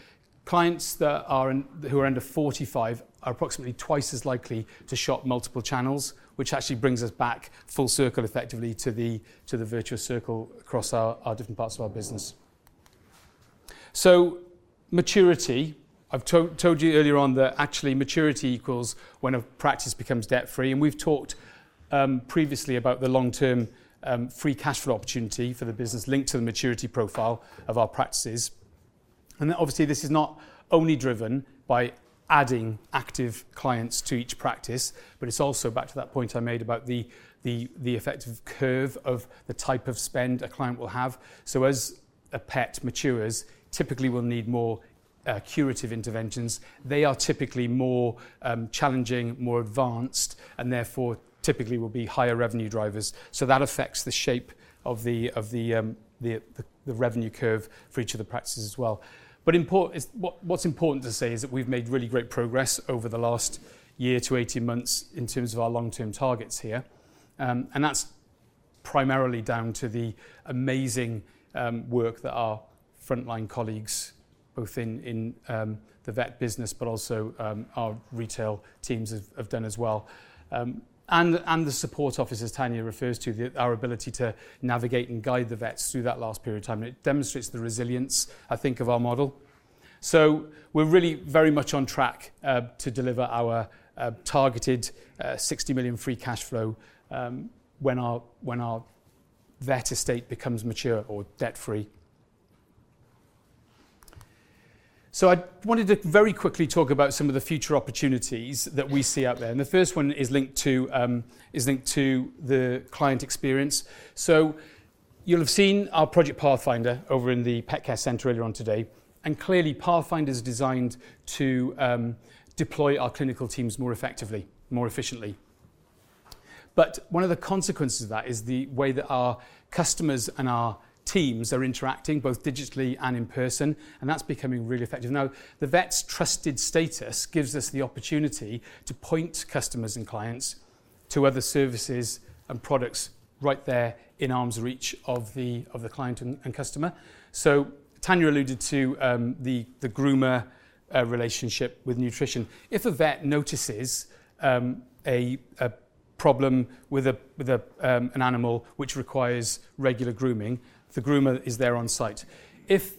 clients who are under 45 are approximately twice as likely to shop multiple channels, which actually brings us back full circle, effectively, to the virtuous circle across our different parts of our business. Maturity, I've told you earlier on that actually maturity equals when a practice becomes debt-free, and we've talked previously about the long-term free cash flow opportunity for the business linked to the maturity profile of our practices. Obviously, this is not only driven by adding active clients to each practice, but it's also back to that point I made about the effective curve of the type of spend a client will have. As a pet matures, typically we'll need more curative interventions. They are typically more challenging, more advanced, and therefore typically will be higher revenue drivers. That affects the shape of the revenue curve for each of the practices as well. What's important to say is that we've made really great progress over the last year to 18 months in terms of our long-term targets here. That's primarily down to the amazing work that our frontline colleagues, both in the vet business, but also our retail teams have done as well. The support officers Tania refers to, our ability to navigate and guide the vets through that last period of time. It demonstrates the resilience, I think, of our model. We're really very much on track to deliver our targeted 60 million free cash flow when our vet estate becomes mature or debt-free. I wanted to very quickly talk about some of the future opportunities that we see out there, and the first one is linked to the client experience. You'll have seen our Project Pathfinder over in the Pet Care Center earlier on today, and clearly Pathfinder is designed to deploy our clinical teams more effectively, more efficiently. One of the consequences of that is the way that our customers and our teams are interacting, both digitally and in person, and that is becoming really effective. The vets' trusted status gives us the opportunity to point customers and clients to other services and products right there in arm's reach of the client and customer. Tania alluded to the groomer relationship with nutrition. If a vet notices a problem with an animal which requires regular grooming, the groomer is there on site. If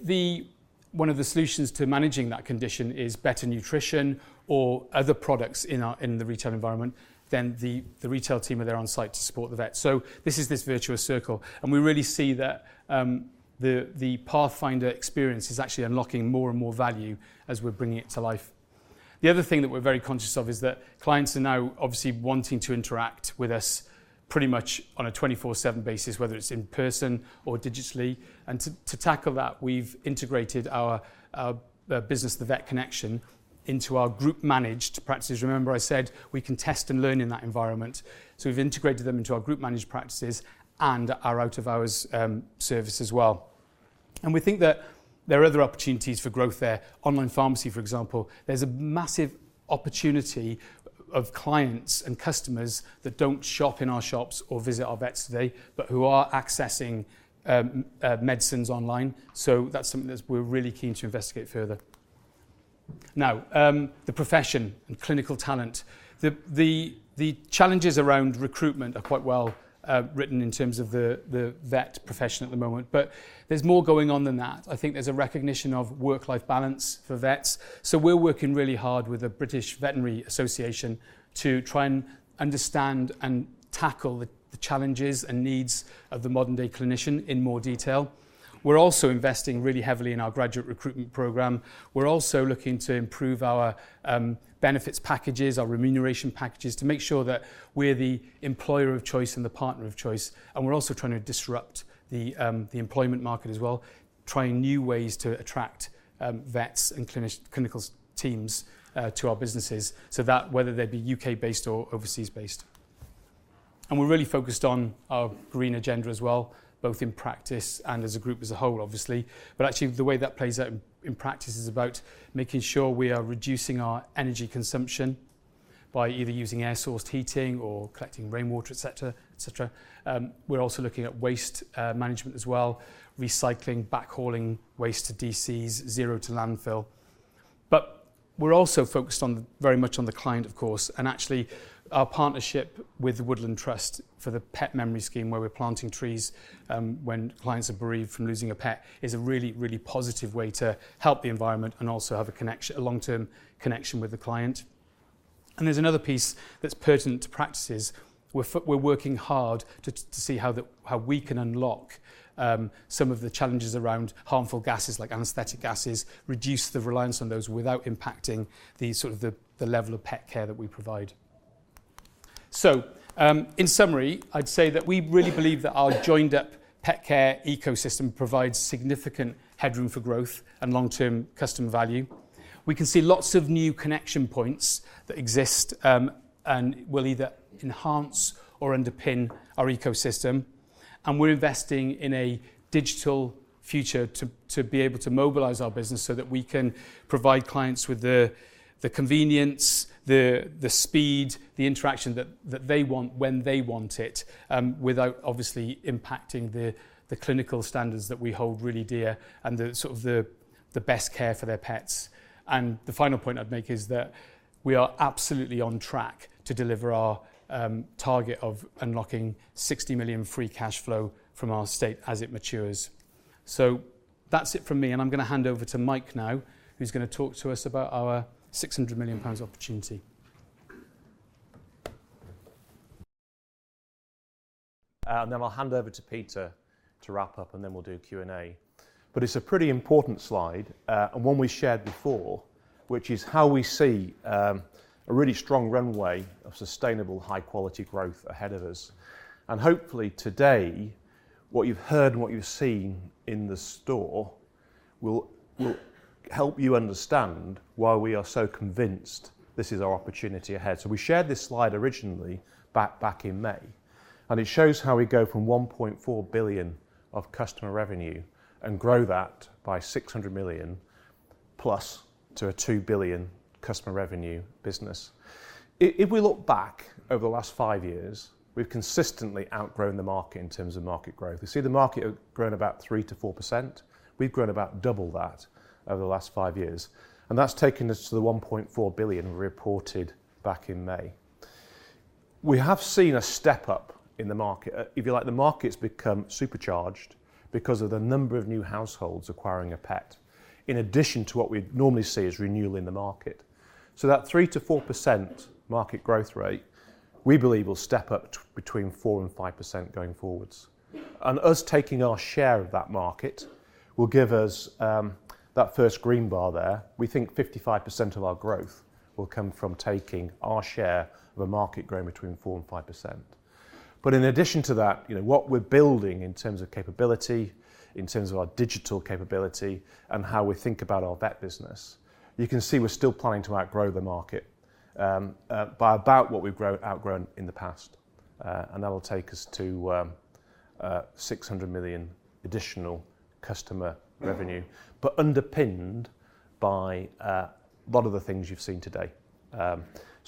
one of the solutions to managing that condition is better nutrition or other products in the retail environment, then the retail team are there on site to support the vet. This is this virtuous circle, and we really see that the Pathfinder experience is actually unlocking more and value as we are bringing it to life. The other thing that we're very conscious of is that clients are now obviously wanting to interact with us pretty much on a 24/7 basis, whether it's in person or digitally. To tackle that, we've integrated our business, The Vet Connection, into our group managed practices. Remember I said we can test and learn in that environment. We've integrated them into our group managed practices and our out-of-hours service as well. We think that there are other opportunities for growth there. Online pharmacy, for example. There's a massive opportunity of clients and customers that don't shop in our shops or visit our vets today, but who are accessing medicines online. That's something that we're really keen to investigate further. The profession and clinical talent. The challenges around recruitment are quite well written in terms of the vet profession at the moment. There's more going on than that. I think there's a recognition of work-life balance for vets. We're working really hard with the British Veterinary Association to try and understand and tackle the challenges and needs of the modern-day clinician in more detail. We're also investing really heavily in our graduate recruitment program. We're also looking to improve our benefits packages, our remuneration packages, to make sure that we're the employer of choice and the partner of choice. We're also trying to disrupt the employment market as well, trying new ways to attract vets and clinical teams to our businesses, so that whether they be U.K. based or overseas based. We're really focused on our green agenda as well, both in practice and as a group as a whole, obviously. Actually the way that plays out in practice is about making sure we are reducing our energy consumption by either using air-sourced heating or collecting rainwater, etc. We're also looking at waste management as well, recycling, backhauling waste to DCs, zero to landfill. We're also focused very much on the client, of course. Actually, our partnership with the Woodland Trust for the Pet Memory Scheme, where we're planting trees when clients are bereaved from losing a pet, is a really positive way to help the environment and also have a long-term connection with the client. There's another piece that's pertinent to practices. We're working hard to see how we can unlock some of the challenges around harmful gases like anesthetic gases, reduce the reliance on those without impacting the sort of the level of pet care that we provide. In summary, I'd say that we really believe that our joined up pet care ecosystem provides significant headroom for growth and long-term customer value. We can see lots of new connection points that exist, and will either enhance or underpin our ecosystem. We're investing in a digital future to be able to mobilize our business so that we can provide clients with the convenience, the speed, the interaction that they want when they want it, without obviously impacting the clinical standards that we hold really dear and the best care for their pets. The final point I'd make is that we are absolutely on track to deliver our target of unlocking 60 million free cash flow from our estate as it matures. That's it from me, and I'm going to hand over to Mike now, who's going to talk to us about our 600 million pounds opportunity. Then I'll hand over to Peter to wrap up, and then we'll do Q&A. It's a pretty important slide, and one we shared before, which is how we see a really strong runway of sustainable, high quality growth ahead of us. Hopefully today, what you've heard and what you've seen in the store will help you understand why we are so convinced this is our opportunity ahead. We shared this slide originally back in May, and it shows how we go from 1.4 billion of customer revenue and grow that by 600 million+ to a 2 billion customer revenue business. If we look back over the last five years, we've consistently outgrown the market in terms of market growth. You see the market grown about 3%-4%. We've grown about 2x that over the last five years, and that's taken us to the 1.4 billion we reported back in May. We have seen a step up in the market. If you like, the market's become supercharged because of the number of new households acquiring a pet, in addition to what we'd normally see as renewal in the market. That 3%-4% market growth rate, we believe will step up between 4% and 5% going forward. Us taking our share of that market will give us that first green bar there. We think 55% of our growth will come from taking our share of a market growing between 4% and 5%. In addition to that, what we're building in terms of capability, in terms of our digital capability, and how we think about our vet business, you can see we're still planning to outgrow the market by about what we've outgrown in the past. That will take us to 600 million additional customer revenue, but underpinned by a lot of the things you've seen today.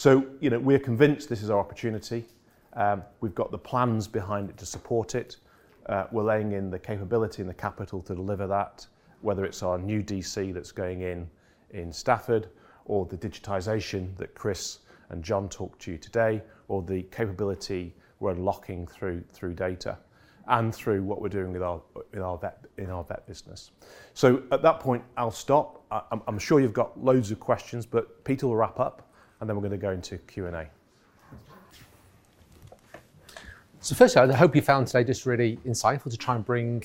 We're convinced this is our opportunity. We've got the plans behind it to support it. We're laying in the capability and the capital to deliver that, whether it's our new DC that's going in in Stafford, or the digitization that Chris and Jon talked to you today, or the capability we're unlocking through data and through what we're doing in our vet business. At that point, I'll stop. I'm sure you've got loads of questions, but Peter will wrap up, and then we're going to go into Q&A. Firstly, I hope you found today just really insightful to try and bring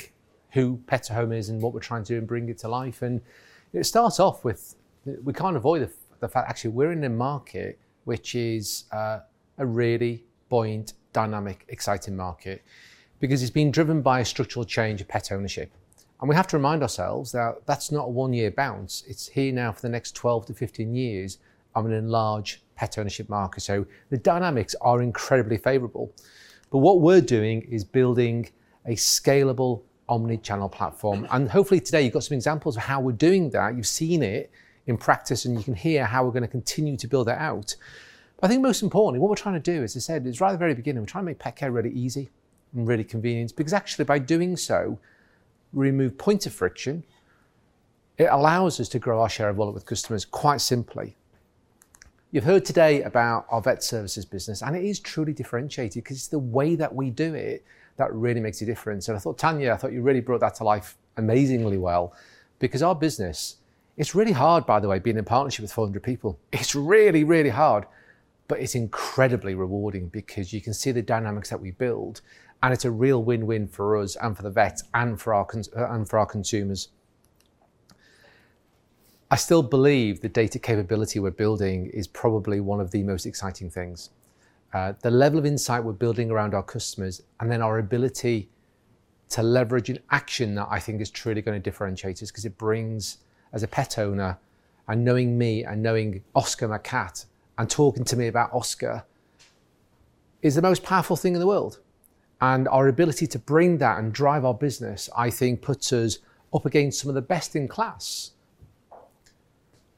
who Pets at Home is and what we're trying to do and bring it to life. It starts off with, we can't avoid the fact, actually, we're in a market which is a really buoyant, dynamic, exciting market because it's being driven by a structural change of pet ownership. We have to remind ourselves that that's not a one-year bounce. It's here now for the next 12-15 years of an enlarged pet ownership market. The dynamics are incredibly favorable. What we're doing is building a scalable omni-channel platform. Hopefully today you've got some examples of how we're doing that. You've seen it in practice, and you can hear how we're going to continue to build that out. I think most importantly, what we're trying to do, as I said, is right at the very beginning, we're trying to make pet care really easy and really convenient, because actually by doing so, we remove points of friction. It allows us to grow our share of wallet with customers, quite simply. You've heard today about our vet services business, and it is truly differentiated because it's the way that we do it that really makes a difference. I thought, Tania, you really brought that to life amazingly well. Our business, it's really hard, by the way, being in partnership with 400 people. It's really hard, but it's incredibly rewarding because you can see the dynamics that we build, and it's a real win-win for us, and for the vets, and for our consumers. I still believe the data capability we're building is probably one of the most exciting things. The level of insight we're building around our customers, and then our ability to leverage an action that I think is truly going to differentiate us because it brings, as a pet owner, and knowing me, and knowing Oscar my cat, and talking to me about Oscar, is the most powerful thing in the world. Our ability to bring that and drive our business, I think puts us up against some of the best in class.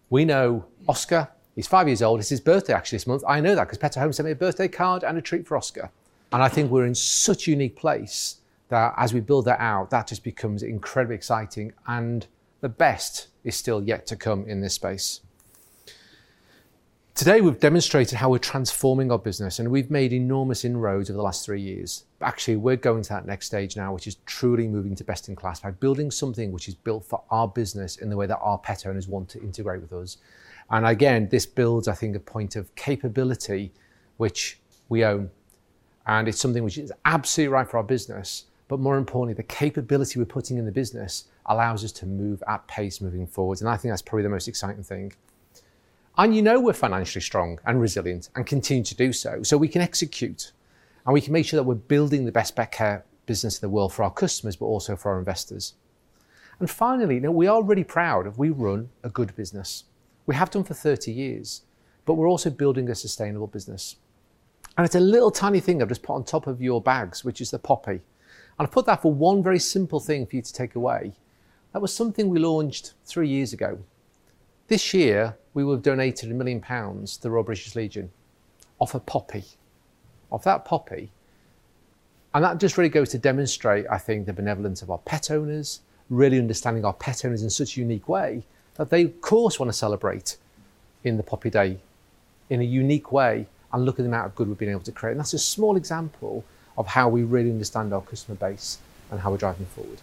We know Oscar. He's five years old. It's his birthday, actually, this month. I know that because Pets at Home sent me a birthday card and a treat for Oscar. I think we're in such unique place that as we build that out, that just becomes incredibly exciting. The best is still yet to come in this space. Today we've demonstrated how we're transforming our business. We've made enormous inroads in the last three years. Actually, we're going to that next stage now, which is truly moving to best in class by building something which is built for our business in the way that our pet owners want to integrate with us. Again, this builds, I think, a point of capability which we own, and it's something which is absolutely right for our business. More importantly, the capability we're putting in the business allows us to move at pace moving forward. I think that's probably the most exciting thing. You know we're financially strong and resilient and continue to do so we can execute, and we can make sure that we're building the best pet care business in the world for our customers, but also for our investors. Finally, we are really proud of we run a good business. We have done for 30 years. We're also building a sustainable business. It's a little tiny thing I've just put on top of your bags, which is the poppy. I put that for one very simple thing for you to take away. That was something we launched three years ago. This year, we will have donated 1 million pounds to The Royal British Legion off a poppy, off that poppy. That just really goes to demonstrate, I think, the benevolence of our pet owners, really understanding our pet owners in such a unique way that they of course want to celebrate in the Poppy Day in a unique way and look at the amount of good we've been able to create. That's a small example of how we really understand our customer base and how we're driving forward.